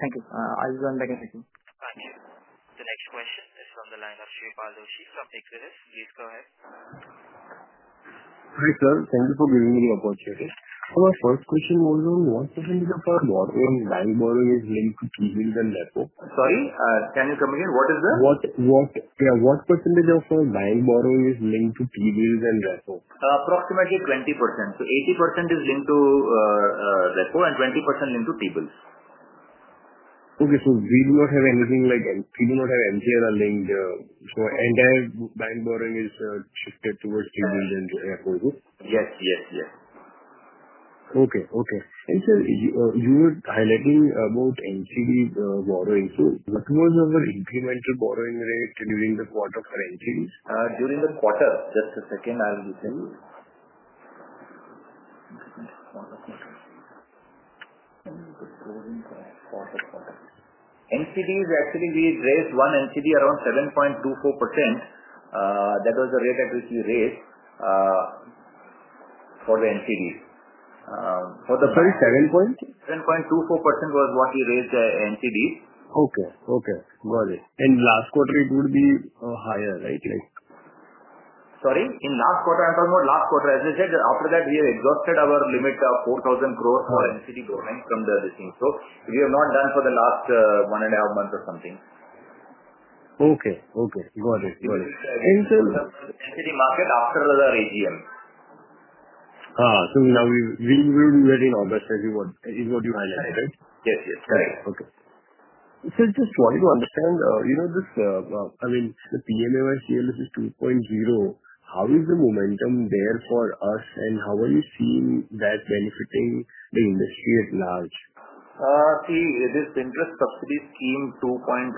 Speaker 3: Thank you. I'll run back and ask you. Thank you.
Speaker 1: The next question is from the line of Shreepal Doshi from Equirus. Please go ahead.
Speaker 8: Hi, sir. Thank you for giving me the opportunity. Our first question was on what percentage of our borrowing line borrowing is linked to T-bills and repo?
Speaker 3: Sorry, can you repeat again? What is the?
Speaker 8: What percentage of the line borrowing is linked to key bills and repo?
Speaker 3: Approximately 20%. 80% is linked to repo and 20% linked to T-bills.
Speaker 8: Okay. We do not have anything like we do not have NCLA linked. The entire bank borrowing is stretched towards T-bills and record books?
Speaker 3: Yes, yes, yes.
Speaker 8: Okay. Okay. Sir, you were highlighting about NCB borrowing. What was our incremental borrowing rate during the quarter for NCB?
Speaker 3: During the quarter, just a second, I'll listen.
Speaker 8: NCDs actually, we raised one NCD around 7.24%. That was the rate at which we raised for the NCDs.
Speaker 3: What's the point? 7%?
Speaker 8: 7.24% was what we raised the NCD. Okay. Got it. Last quarter, it would be higher, right? Like.
Speaker 3: Sorry? In last quarter, I'm talking about last quarter. As I said, after that, we have exhausted our limit of 4,000 crore from our NCD borrowing from the addition. We have not done for the last one and a half months or something.
Speaker 8: Okay. Got it.
Speaker 3: The market after the ATM.
Speaker 8: Now we will do that in August as you want. Is what you highlighted, right?
Speaker 3: Yes, yes. Correct.
Speaker 8: Okay. Sir, just wanted to understand, you know, this, I mean, the PMAY 2.0. How is the momentum there for us, and how are you seeing that benefiting the industry at large?
Speaker 3: See, this interest subsidy is PMAY 2.0.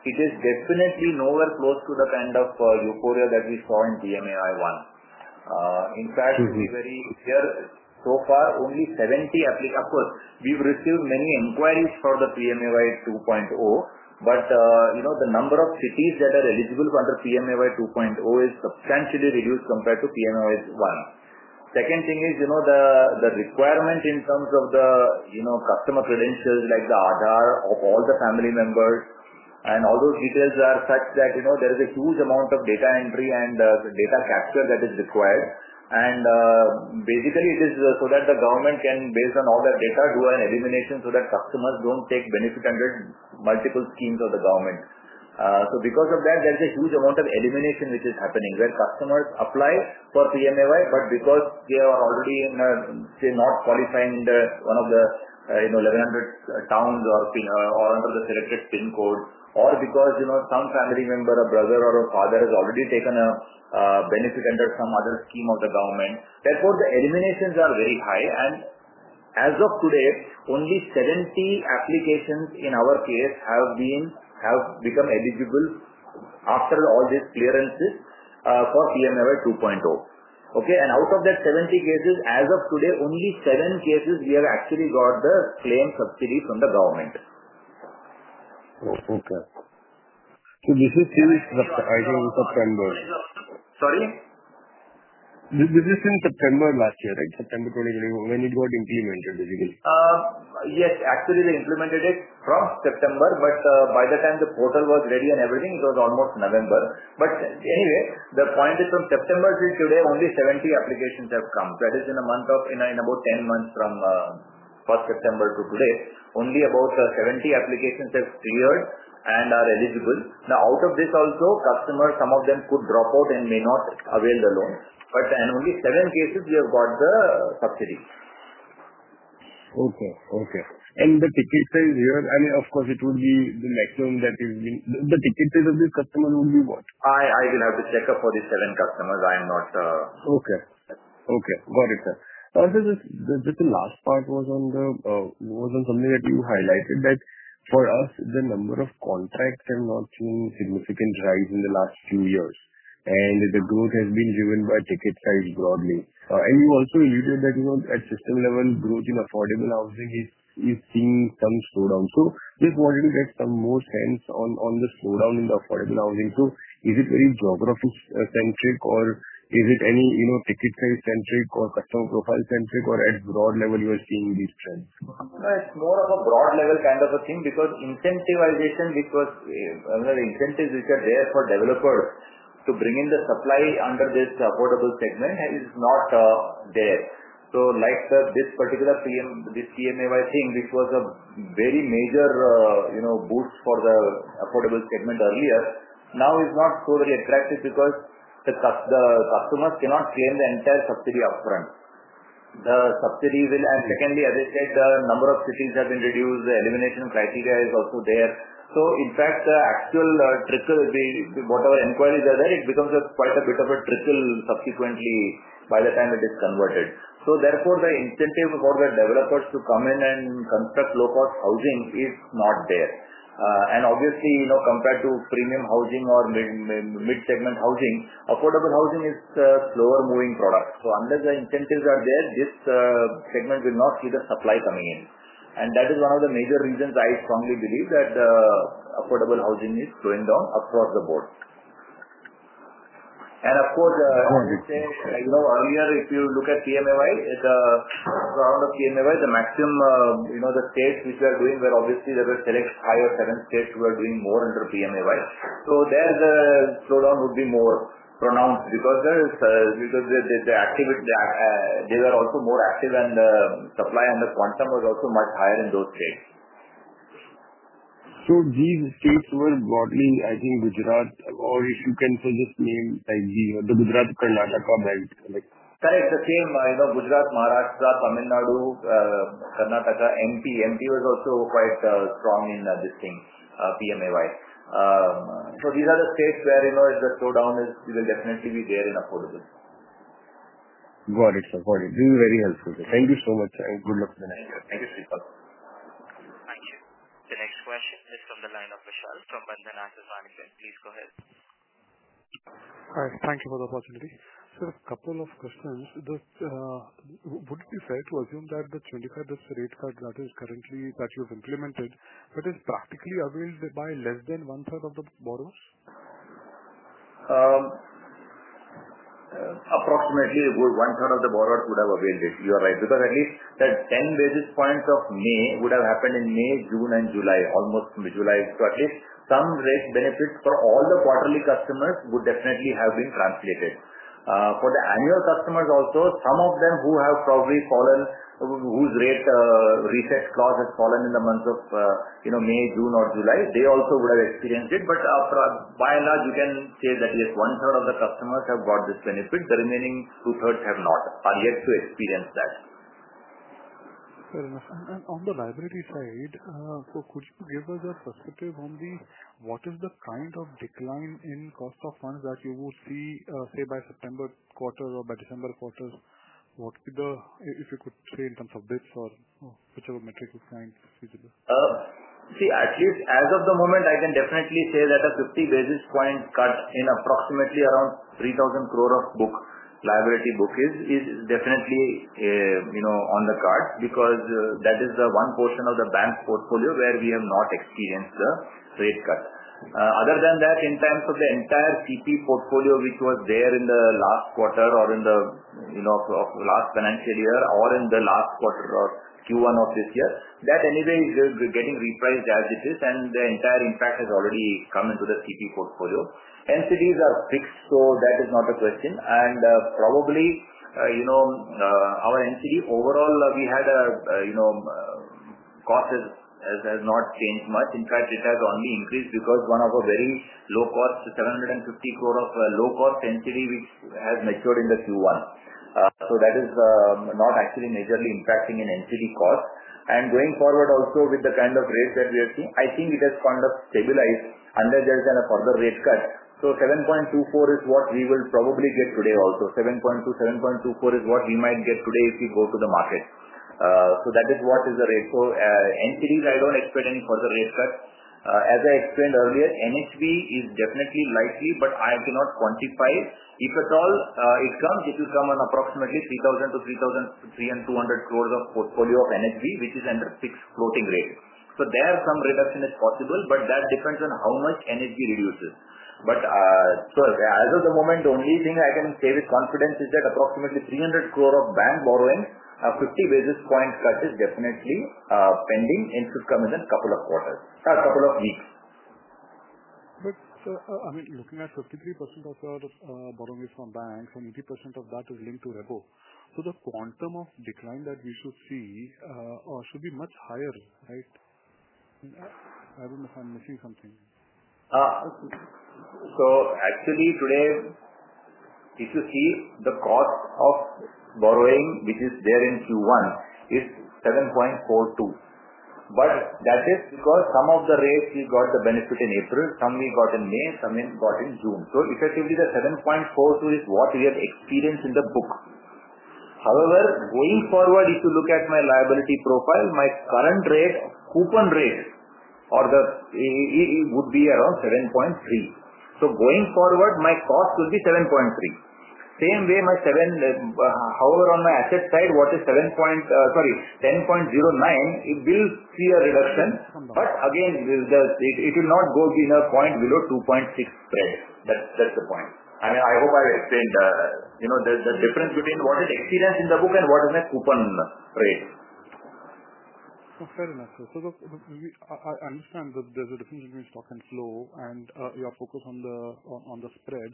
Speaker 3: It is definitely nowhere close to the kind of euphoria that we saw in PMAY 1. In fact, we are very clear so far, only 70 applicants. Of course, we've received many inquiries for the PMAY 2.0, but the number of cities that are eligible for the PMAY 2.0 is substantially reduced compared to PMAY 1. The second thing is, the requirements in terms of the customer credentials, like the Aadhar of all the family members, and all those details are such that there is a huge amount of data entry and data capture that is required. Basically, it is so that the government can, based on all that data, do an elimination so that customers don't take benefit under multiple schemes of the government. Because of that, there's a huge amount of elimination which is happening where customers apply for PMAY, but because they are already, say, not qualifying in one of the 1,100 towns or under the selected PIN code, or because some family member, a brother or a father, has already taken a benefit under some other scheme of the government, the eliminations are very high. As of today, only 70 applications in our case have become eligible after all these clearances for PMAY 2.0, and out of that 70 cases, as of today, only 7 cases we have actually got the claim subsidy from the government.
Speaker 8: Okay. This is since, I think, September.
Speaker 3: Sorry?
Speaker 8: This is since September last year, right? September 2023, when it got implemented, basically.
Speaker 3: Yes, actually, they implemented it from September, but by the time the portal was ready and everything, it was almost November. Anyway, the point is from September to today, only 70 applications have come. That is, in about 10 months from 1st September to today, only about 70 applications have cleared and are eligible. Now, out of this also, customers, some of them could drop out and may not avail the loan. In only 7 cases, we have got the subsidy.
Speaker 8: Okay. Okay. The ticket size here, I mean, of course, it will be the maximum that is linked. The ticket size of the customers will be what?
Speaker 3: I will have to check up for these 7 customers. I am not.
Speaker 8: Okay. Okay. Got it, sir. Also, just the last part was on something that you highlighted that for us, the number of contracts have not seen significant rise in the last few years. The growth has been driven by ticket size broadly. You also alluded that, you know, at system level, growth in affordable housing is seeing some slowdown. Just wanting to get some more sense on the slowdown in the affordable housing too. Is it very geographic-centric or is it any, you know, ticket size-centric or customer profile-centric or at broad level you are seeing these trends?
Speaker 3: It's more of a broad level kind of a thing because incentivization, which was, I mean, incentives which are there for developers to bring in the supply under this affordable segment, has not there. Like this particular PMAY thing, which was a very major, you know, boost for the affordable segment earlier, now is not so very attractive because the customers cannot claim the entire subsidy upfront. The subsidy will, and secondly, as I said, the number of cities are introduced. The elimination criteria is also there. In fact, the actual trickle, whatever inquiries are there, it becomes quite a bit of a trickle subsequently by the time it is converted. Therefore, the incentive for the developers to come in and construct low-cost housing is not there. Obviously, you know, compared to premium housing or mid-segment housing, affordable housing is a slower-moving product. Unless the incentives are there, this segment will not see the supply coming in. That is one of the major reasons I strongly believe that the affordable housing is slowing down across the board. Of course, I want to say, you know, earlier, if you look at PMAY, the round of PMAY, the maximum, you know, the states which we are doing, where obviously there were telling five or seven states who are doing more under PMAY, so there the slowdown would be more pronounced because they were also more active and the supply and the quantum was also much higher in those states.
Speaker 8: These states were broadly, I think, Gujarat, or if you can say just name like the Gujarat-Karnataka, right?
Speaker 3: That is the same, you know, Gujarat, Maharashtra, Tamil Nadu, Karnataka, MP. MP was also quite strong in this thing, PMAY-wise. These are the states where, you know, the slowdown will definitely be there in affordable.
Speaker 8: Got it, sir. Got it. This is very helpful, sir. Thank you so much, sir, and good luck with the next one.
Speaker 3: Thank you.
Speaker 1: The next question is from the line of Rishad from Bandhan Nasir Vanikwan. Please go ahead.
Speaker 9: All right. Thank you for the opportunity. Sir, a couple of questions. Would it be fair to assume that the 25% rate cut that is currently that you've implemented, that is practically availed by less than one-third of the borrowers?
Speaker 3: Approximately about one-third of the borrowers would have availed it. You're right because at least that 10 basis points of May would have happened in May, June, and July, almost from July to at least some raised benefits for all the quarterly customers would definitely have been translated. For the annual customers also, some of them who have probably fallen, whose rate refresh clause has fallen in the month of May, June, or July, they also would have experienced it. By and large, we can say that at least one-third of the customers have got this benefit. The remaining two-thirds have not, yet to experience that.
Speaker 9: Fair enough. On the liability side, could you give us a perspective on what is the kind of decline in cost of funds that you would see, say, by September quarter or by December quarter? What would the, if you could say in terms of basis points or whichever metrics you find suitable?
Speaker 3: See, at least as of the moment, I can definitely say that a 50 basis point cut in approximately 3,000 crore of book liability book is definitely, you know, on the card because that is the one portion of the bank portfolio where we have not experienced the rate cut. Other than that, in terms of the entire CP portfolio, which was there in the last quarter or in the last financial year or in the last quarter or Q1 of this year, that anything is getting repriced as it is, and the entire impact has already come into the CP portfolio. NCDs are fixed, so that is not a question. Probably, you know, our NCD overall, we had a, you know, cost has not changed much. In fact, it has only increased because one of our very low-cost, 750 crore of low-cost NCD, which has matured in Q1. That is not actually majorly impacting in NCD cost. Going forward also with the kind of rates that we are seeing, I think it has kind of stabilized unless there's another rate cut. 7.24 is what we will probably get today also. 7.27, 7.24 is what we might get today if we go to the market. That is what is the rate cut. NCDs, I don't expect any further rate cut. As I explained earlier, NFB is definitely likely, but I cannot quantify. If at all it comes, it will come on approximately 3,000-3,200 crore of portfolio of NFB, which is under fixed floating rate. There some reduction is possible, but that depends on how much NFB reduces. As of the moment, the only thing I can say with confidence is that approximately 300 crore of bank borrowings, a 50 basis point cut is definitely pending in a couple of quarters, a couple of weeks.
Speaker 9: Sir, I mean, looking at 53% of our borrowing is from banks, and 80% of that is linked to repo. The quantum of decline that we should see should be much higher, right? I don't know if I'm missing something.
Speaker 3: Actually, today, if you see the cost of borrowing, which is there in Q1, is 7.42%. That is because some of the rates we got the benefit in April, some we got in May, some we got in June. Effectively, the 7.42% is what we have experienced in the book. However, going forward, if you look at my liability profile, my current coupon rate would be around 7.3%. Going forward, my cost would be 7.3%. Same way, however, on my asset side, what is 7.09%, it will see a reduction. Again, it will not go in a point below 2.6%. That's the point. I hope I explained, you know, the difference between what it experienced in. What are the coupon on the spread?
Speaker 9: Fair enough. I understand that there's a difference between stock and flow and your focus on the spread.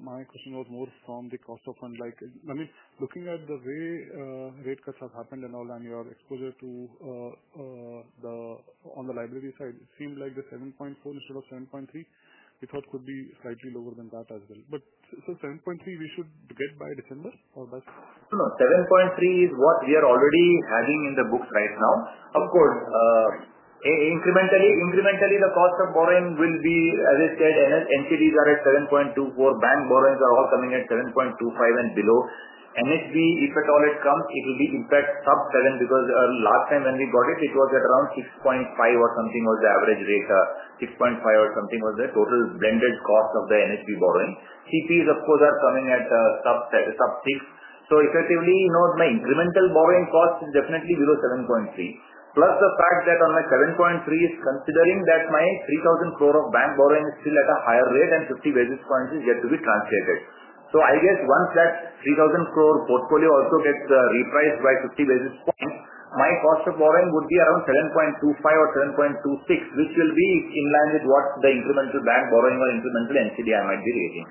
Speaker 9: My question was more from the cost of fund. I mean, looking at the way rate cuts have happened and all that, and your exposure on the LIBOR side, it seemed like the 7.4% instead of 7.3%, it could be slightly lower than that as well. For 7.3%, we should get by December or that's?
Speaker 3: No, no. 7.3 is what we are already having in the books right now. Of course, incrementally, the cost of borrowing will be, as I said, NCDs are at 7.24, bank borrowings are all coming at 7.25 and below. NHB, if at all it comes, it will be in fact sub 7 because last time when we got it, it was at around 6.5 or something was the average rate. 6.5 or something was the total blended cost of the NHB borrowing. CPs, of course, are coming at sub 6. Effectively, my incremental borrowing cost is definitely below 7.3. Plus the fact that on my 7.3 is considering that my 3,000 crore of bank borrowing is still at a higher rate and 50 basis points is yet to be translated. I guess once that 3,000 crore portfolio also gets repriced by 50 basis points, my cost of borrowing would be around 7.25 or 7.26, which will be in line with what the incremental bank borrowing or incremental NCD I might be raising.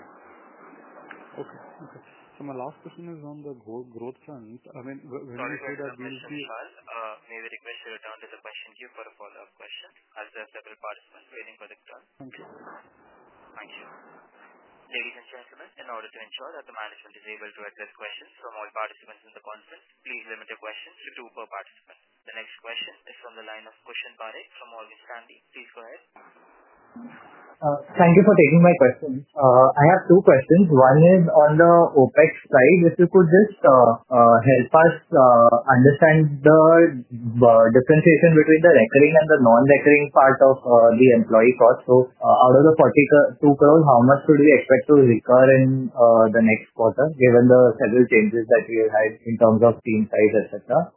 Speaker 9: Okay. Okay. My last question is on the growth funds. I mean, when you say that we will be...
Speaker 1: May I request a question queue for a follow-up question? I've got several participants waiting for the turn.
Speaker 9: Thank you.
Speaker 1: Thank you. Ladies and gentlemen, in order to ensure that the management is able to address questions from all participants in the conference, please limit your questions to two per participant. The next question is from the line of Kushan Parikh from Morgan Stanley. Please go ahead.
Speaker 10: Thank you for taking my question. I have two questions. One is on the OpEx side. If you could just help us understand the differentiation between the recurring and the non-recurring part of the employee cost. Out of the 42 crore, how much would we expect to recur in the next quarter given the several changes that we have in terms of team size, etc.?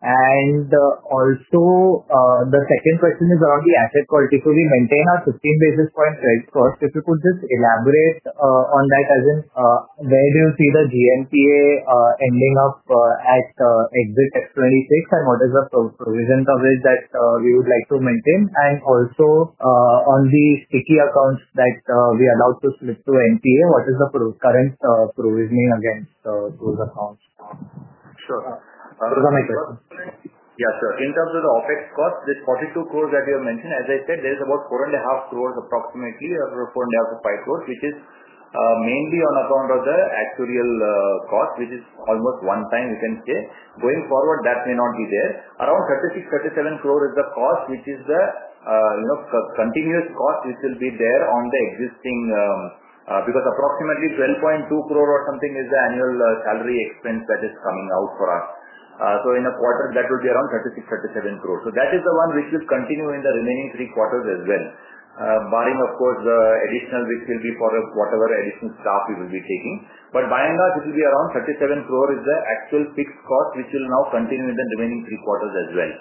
Speaker 10: The second question is around the asset quality. Could we maintain our 15 basis point sales cost? If you could just elaborate on that as in where do you see the GNPA ending up at exit FY 2026 and what is the provision coverage that we would like to maintain? Also, on the sticky accounts that we are allowed to split to NPA, what is the current provisioning against those accounts?
Speaker 3: Sure. Yeah, sure. In terms of the OpEx cost, the 42 crore that you have mentioned, as I said, there's about 4.5 crore approximately or 4.5 to 5 crore, which is mainly on account of the actuarial cost, which is almost one time, we can say. Going forward, that may not be there. Around 36, 37 crore is the cost, which is the, you know, continuous cost which will be there on the existing because approximately 12.2 crore or something is the annual salary expense that is coming out for us. In a quarter, that would be around 36, 37 crore. That is the one which will continue in the remaining three quarters as well, barring, of course, the additional which will be for whatever additional staff we will be taking. By and large, it will be around 37 crore as the actual fixed cost, which will now continue in the remaining three quarters as well.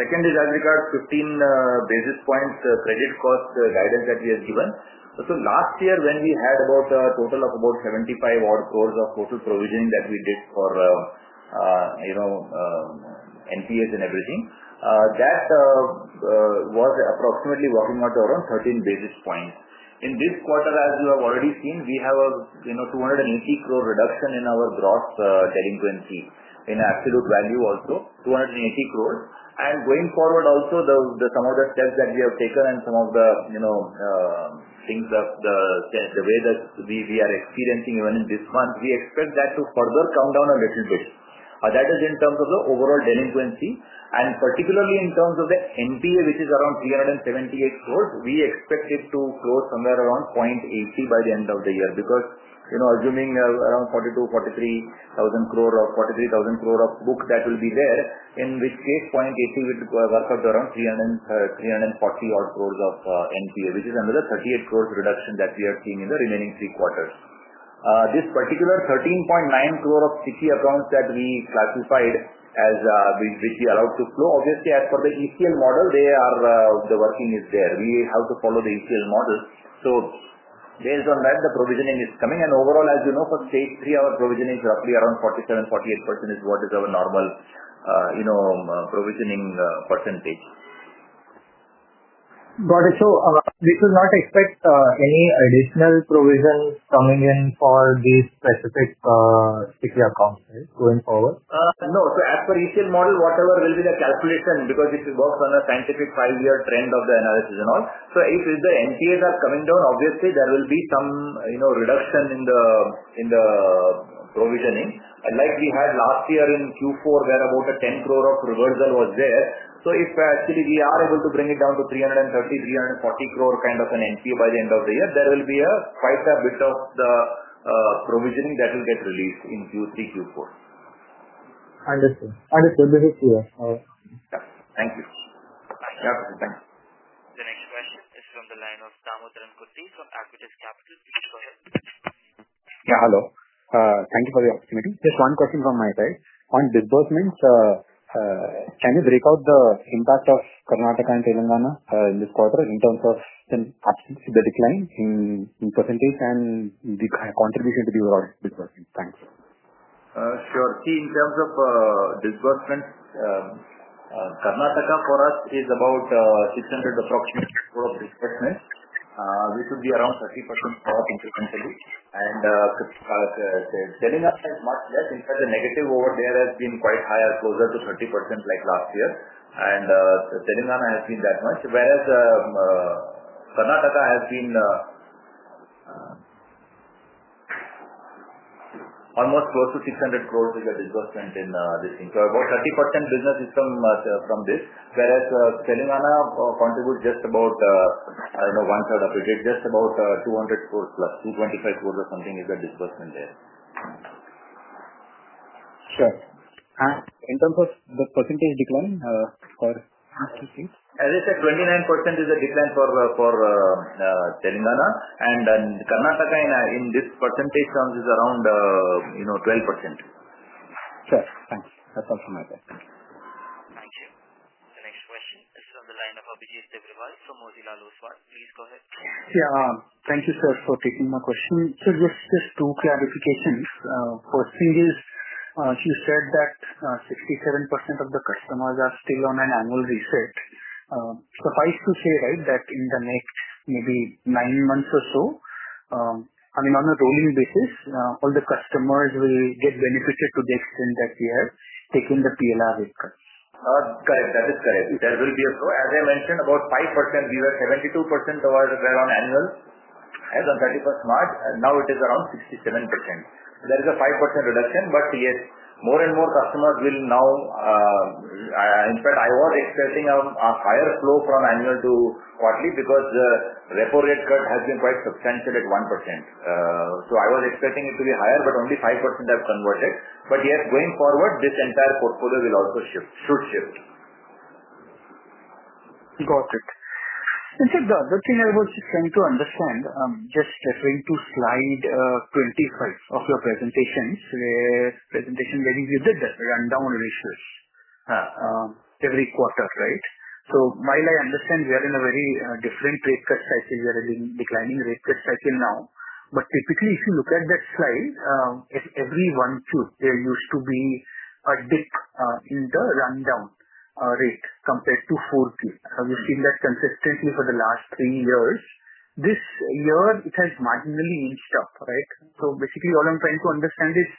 Speaker 3: Second is aggregate 15 basis points credit cost guidance that we have given. Last year, when we had about a total of about 75 crore of total provisioning that we did for NPAs and everything, that was approximately working out around 13 basis points. In this quarter, as you have already seen, we have a 280 crore reduction in our gross carrying currency in absolute value also, 280 crore. Going forward, also, the amount of steps that we have taken and some of the, you know, things that the way that we are experiencing even in this fund, we expect that to further come down a little bit. That is in terms of the overall delinquency. Particularly in terms of the NPA, which is around 378 crore, we expect it to go somewhere around 0.80% by the end of the year because, you know, assuming around 42,000, 43,000 crore of book that will be there, in which case, 0.80% would work out around 340 crore of NPA, which is another 38 crore reduction that we have seen in the remaining three quarters. This particular 13.9 crore of sticky accounts that we classified as which we are allowed to flow, obviously, as per the ETL model, the working is there. We have to follow the ETL model. Based on that, the provisioning is coming. Overall, as you know, for, say, three-hour provisioning, roughly around 47, 48% is what is our normal, you know, provisioning percentage.
Speaker 10: Got it. We should not expect any additional provisions coming in for these specific sticky accounts going forward?
Speaker 3: As per the ETL model, whatever will be the calculation, because if you work on a scientific five-year trend of the analysis and all, if the NPAs are coming down, obviously, there will be some reduction in the provisioning. Like we had last year in Q4, there was about 10 crore of reversal. If actually we are able to bring it down to 330, 340 crore kind of an NPA by the end of the year, there will be quite a bit of the provisioning that will get released in Q3, Q4.
Speaker 10: Understood. Understood. This is clear.
Speaker 3: Yeah, thank you.
Speaker 1: The next question is from the line of Samutran Kosi from Acquisitive Capitals. Could you go ahead? Yeah. Hello. Thank you for the opportunity. Just one question from my side. On disbursements, can you break out the impact of Karnataka and Telangana in this quarter in terms of the decline in percentage and the contribution to the overall disbursement? Thanks.
Speaker 3: Sure. See, in terms of disbursements, Karnataka for us is about 600 crore of disbursements. We could be around 30% more consistently. Telangana is much less. In fact, the negative over there has been quite high, closer to 30% like last year. Telangana has been that much, whereas Karnataka has been almost close to 600 crore as a disbursement in this thing. About 30% business is from this, whereas Telangana contributes just about, I don't know, one third of it. It's just about 225 crore or something is the disbursement there. Sure. In terms of percentage decline for? As I said, 29% is the decline for Telangana. Karnataka in this percentage terms is around, you know, 12%. Sure. Thank you. That's all from my side.
Speaker 1: Thank you. The next question is from the line of Abhijit Tibrewal from Motilal Oswal. Please go ahead.
Speaker 11: Thank you for taking my question. Just two clarifications. First thing is, you said that 67% of the customers are still on an annual refund. How is it to say, right, that in the next maybe nine months or so, on a rolling basis, all the customers will get benefited to the extent that we are taking the PLR recur?
Speaker 3: Correct. That is correct. That will be a flow. As I mentioned, about 5%, we were 72% around annual as on 31st March, and now it is around 67%. There is a 5% reduction, yes, more and more customers will now, in fact, I was expecting a higher flow from annual to quarterly because the repo rate cut has been quite substantial at 1%. I was expecting it to be higher, but only 5% have converted. Going forward, this entire portfolio will also shift, should shift.
Speaker 11: Got it. In fact, the other thing I was trying to understand, just referring to slide 25 of your presentation where you did the rundown ratios every quarter, right? While I understand we are in a very different rate cut cycle, we are in a declining rate cut cycle now. Typically, if you look at that slide, every one quarter, there used to be a dip in the rundown rates compared to 40. We've seen that consistently for the last three years. This year, it has marginally inched up, right? Basically, all I'm trying to understand is,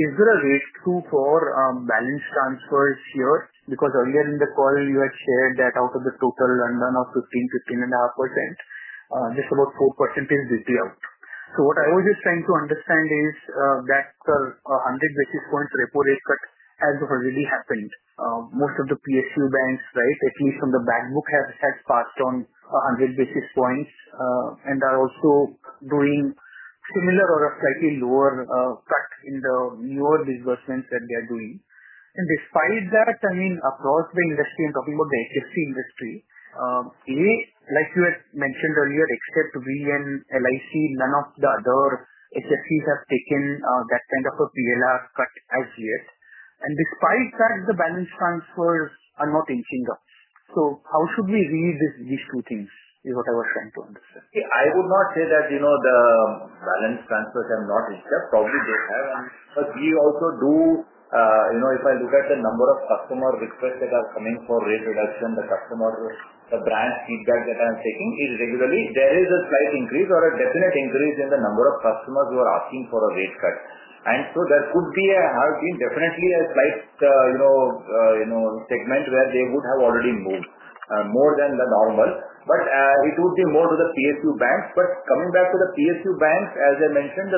Speaker 11: is there a risk for balance transfers here? Earlier in the call, you had shared that out of the total rundown of 15%, 15.5%, just about 4% is due to out. What I was just trying to understand is that 100 basis points repo rate cut has really happened. Most of the PSU banks, at least from the bank book, have passed on 100 basis points and are also doing similar or a slightly lower cut in the newer disbursement that they are doing. Despite that, I mean, across the industry, I'm talking about the HFC industry, like you had mentioned earlier, except for LIC, none of the other HFCs have taken that kind of a PLR cut as yet. Despite that, the balance transfers are not inching up. How should we read these two things is what I was trying to understand?
Speaker 3: I would not say that the balance transfers have not inched up. Probably they have. If I look at the number of customer requests that are coming for rate reduction, the customer, the brand feedback that I'm taking is regularly, there is a slight increase or a definite increase in the number of customers who are asking for a rate cut. There could be, I've seen definitely a slight segment where they would have already moved more than the normal. It would be more to the PSU banks. Coming back to the PSU banks, as I mentioned,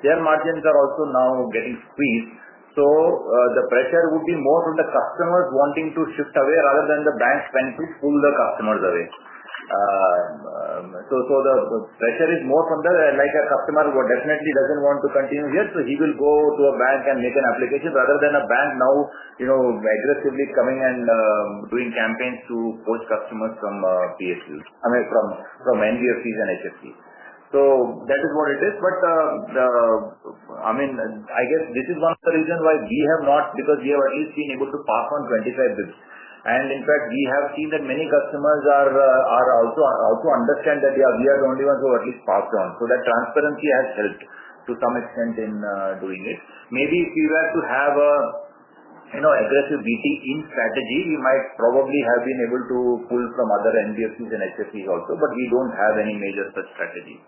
Speaker 3: their margins are also now getting squeezed. The pressure would be more from the customers wanting to shift away rather than the banks trying to pull the customers away. The pressure is more from the customer who definitely doesn't want to continue here. He will go to a bank and make an application rather than a bank now aggressively coming and doing campaigns to push customers from PSUs, I mean, from NBFCs and HFCs. That is what it is. I guess this is one of the reasons why we have not, because we have at least been able to pass on 25 bps. In fact, we have seen that many customers are out to understand that we are the only ones who have at least passed on. That transparency has helped to some extent in doing it. Maybe if you have to have an aggressive DT in strategy, you might probably have been able to pull from other NBFCs and HFCs also, but we don't have any major such strategy.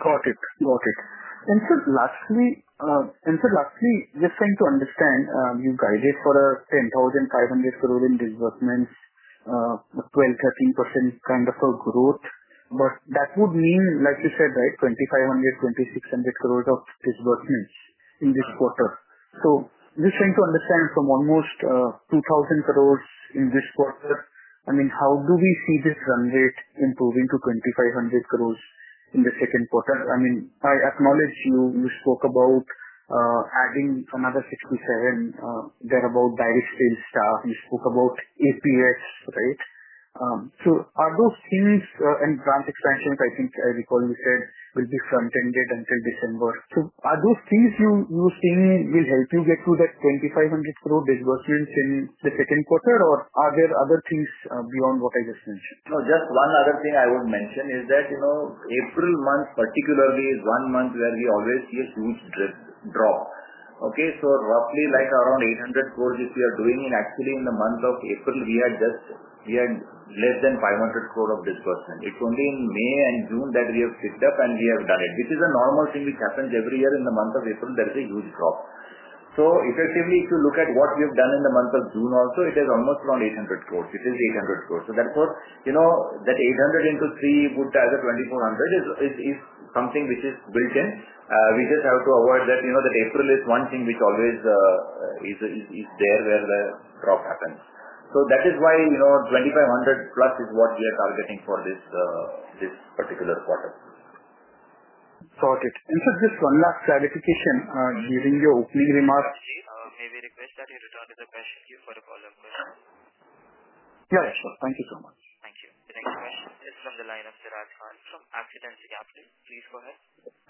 Speaker 11: Got it. Got it. Lastly, just trying to understand, you guided for 10,500 crore in disbursements, 12%-13% kind of a growth. That would mean, like you said, right, 2,500-2,600 crore of disbursements in this quarter. Just trying to understand from almost 2,000 crore in this quarter, how do we see this run rate improving to 2,500 crore in the second quarter? I acknowledge you spoke about adding another 67, thereabout, barristers, staff. You spoke about APX, right? Are those things, and branch expansions, I think I recall you said, will be front-ended until December. Are those things you're saying will help you get through that 2,500 crore disbursements in the second quarter, or are there other things beyond what I just mentioned?
Speaker 3: Just one other thing I would mention is that, you know, April month particularly is one month where we always see a huge drop. Okay. So roughly like around 800 crore if we are doing it. In the month of April, we had less than 500 crore of disbursement. It's only in May and June that we have picked up and we have done it. This is a normal thing which happens every year in the month of April. There is a huge drop. Effectively, if you look at what we have done in the month of June also, it is almost around 800 crore. It is 800 crore. Therefore, you know, that 800 into 3 would tell the 2,400 is something which is built in. We just have to avoid that, you know, that April is one thing which always is there where the drop happens. That is why, you know, 2,500+ is what we are targeting for this particular quarter.
Speaker 11: Got it. Just one last clarification given your opening remarks.
Speaker 1: May we request that you return to the best view for a follow-up question?
Speaker 11: Yeah, sure. Thank you so much.
Speaker 1: Thank you. The next question is from the line of Chirag Khan from Accidents and Capitals. Please go ahead.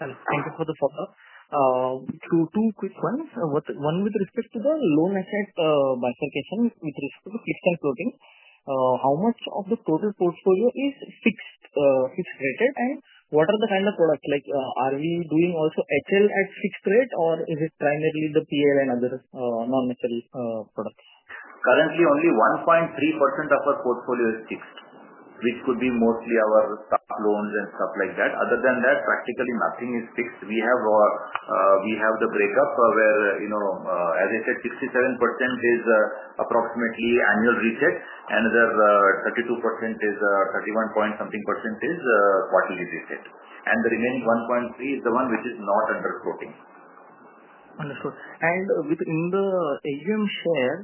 Speaker 1: Hello. Thank you for the follow-up. Two quick ones. One with respect to the loan asset bifurcation with respect to fixed and floating. How much of the total portfolio is fixed, fixed rated, and what are the kind of products? Like, are we doing also home loans at fixed rate, or is it primarily the personal loan and other, non-home loan products?
Speaker 3: Currently, only 1.3% of our portfolio is fixed, which could be mostly our stock loans and stuff like that. Other than that, practically nothing is fixed. We have the breakup where, as I said, 67% is approximately annual refit, and 32% is 31 point something percent is quarterly refit. The remaining 1.3% is the one which is not under floating. Understood. Within the AUM share,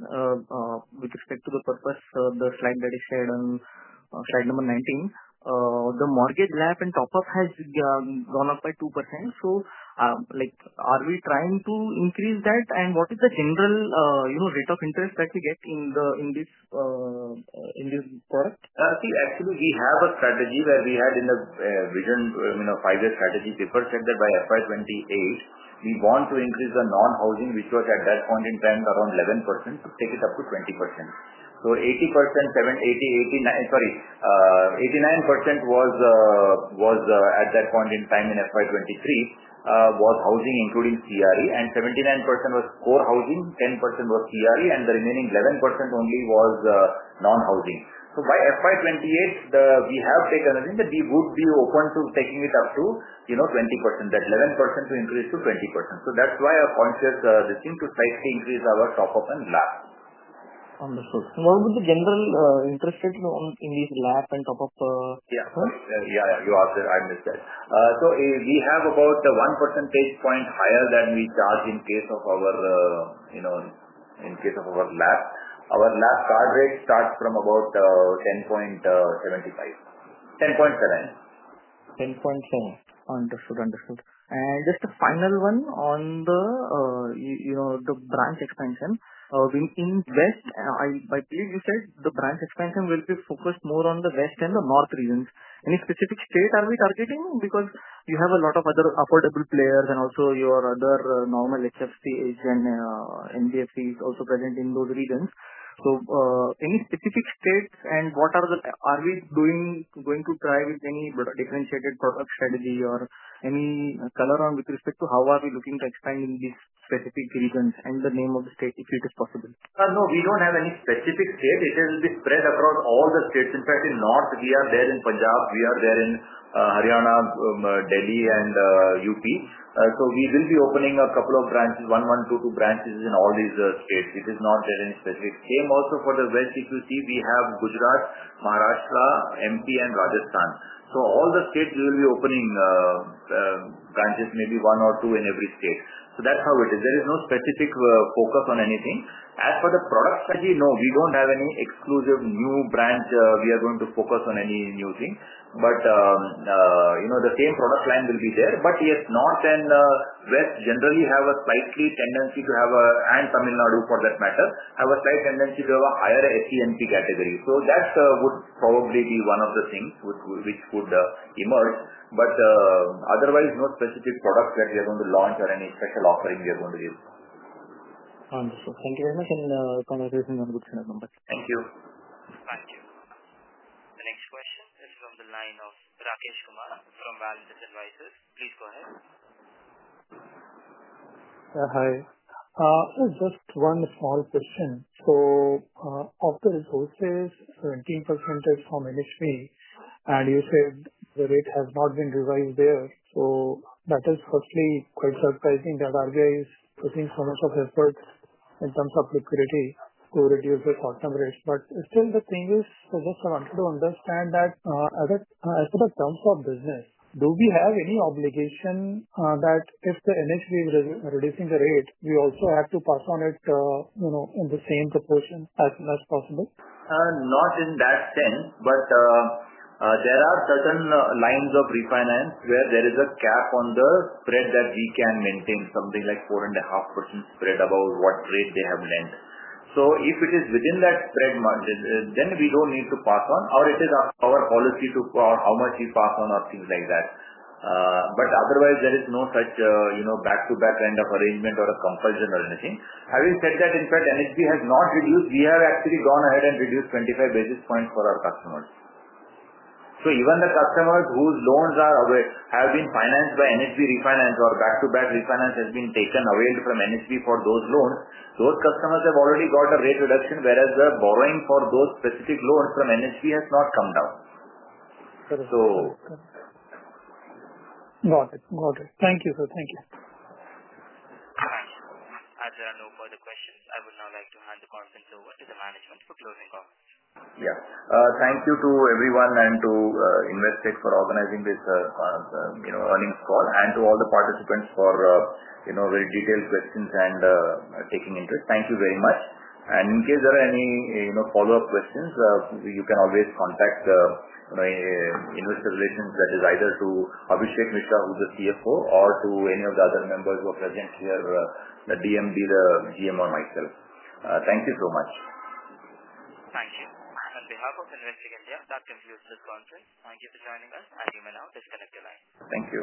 Speaker 3: with respect to the purpose, the slide that is shared on slide number 19, the mortgage LAP and top-up has gone up by 2%. Are we trying to increase that? What is the general rate of interest that we get in this product? See, actually, we have a strategy where we had in the vision, I mean, a Pfizer strategy paper said that by FY 2028, we want to increase the non-housing, which was at that point in time around 11%, to take it up to 20%. 89% was, at that point in time in FY 2023, housing, including CRE. 79% was core housing, 10% was CRE, and the remaining 11% only was non-housing. By FY 2028, we have taken a leap and we would be open to taking it up to 20%, that 11% to increase to 20%. That's why our conscious decision to slightly increase our top-up and LAP. Understood. What would the general interest rate in these LAP and top-up? You asked that. I missed that. We have about 1% higher than we charge in case of our, you know, in case of our LAP. Our LAP charge rate starts from about 10.75%. 10.7? 10.4. Understood. Just a final one on the branch expansion. In the West, I believe you said the branch expansion will be focused more on the West and the North regions. Any specific state are we targeting? You have a lot of other affordable players and also your other normal HFCs and NBFCs also present in those regions. Any specific state and are we going to try with any differentiated product strategy or any color with respect to how are we looking to expand in these specific regions and the name of the state if it is possible? No, we don't have any specific state. It will be spread across all the states. In fact, in North, we are there in Punjab, we are there in Haryana, Delhi, and UP. We will be opening a couple of branches, one, one, two, two branches in all these states. It is not there any specific. Same also for the West, if you see, we have Gujarat, Maharashtra, MP, and Rajasthan. All the states, we will be opening branches, maybe one or two in every state. That's how it is. There is no specific focus on anything. As for the product strategy, no, we don't have any exclusive new branch we are going to focus on any new thing. The same product line will be there. Yes, North and West generally have a slightly tendency to have, and Tamil Nadu for that matter, have a slight tendency to have a higher SCNP category. That would probably be one of the things which would emerge. Otherwise, no specific product that we are going to launch or any special offering we are going to give. Understood. Thank you very much. Congratulations on the good share numbers. Thank you. Thank you.
Speaker 1: The next question is from the line of Rakesh Kumar from Valentine Advisors. Please go ahead. Hi. Just one small question. After those days, 17% of common SV, and you said the rate has not been revised there. That is firstly quite surprising that RBI is pushing so much effort in terms of liquidity to reduce the short-term rates. Still, the thing is, we're trying to understand that, as a term for business, do we have any obligation that if the NSV is reducing the rate, we also have to pass on it in the same proportion as much as possible?
Speaker 3: Not in that sense, but there are certain lines of refinance where there is a cap on the spread that we can maintain, something like 4.5% spread above what rate they have lent. If it is within that spread margin, then we don't need to pass on, or it is our policy to, or how much we pass on or things like that. Otherwise, there is no such back-to-back kind of arrangement or a compulsion or anything. Having said that, in fact, NHB has not reduced. We have actually gone ahead and reduced 25 basis points for our customers. Even the customers whose loans have been financed by NHB refinance or back-to-back refinance has been taken away from NHB for those loans, those customers have already got the rate reduction, whereas the borrowing for those specific loans from NHB has not come down. Got it. Got it. Thank you, sir. Thank you.
Speaker 1: All right. As there are no further questions, I would now like to hand the conference over to the management for closing comments.
Speaker 3: Yeah. Thank you to everyone and to Investing India for organizing this earnings call and to all the participants for very detailed questions and taking interest. Thank you very much. In case there are any follow-up questions, you can always contact Investor Relations, that is either to Adhisesh Mishra, who's the CFO, or to any of the other members who are present here, the DMD, the DM, or myself. Thank you so much.
Speaker 1: Thank you. On behalf of Investing India, that concludes this conference. Thank you for joining us. You may now disconnect the line. Thank you.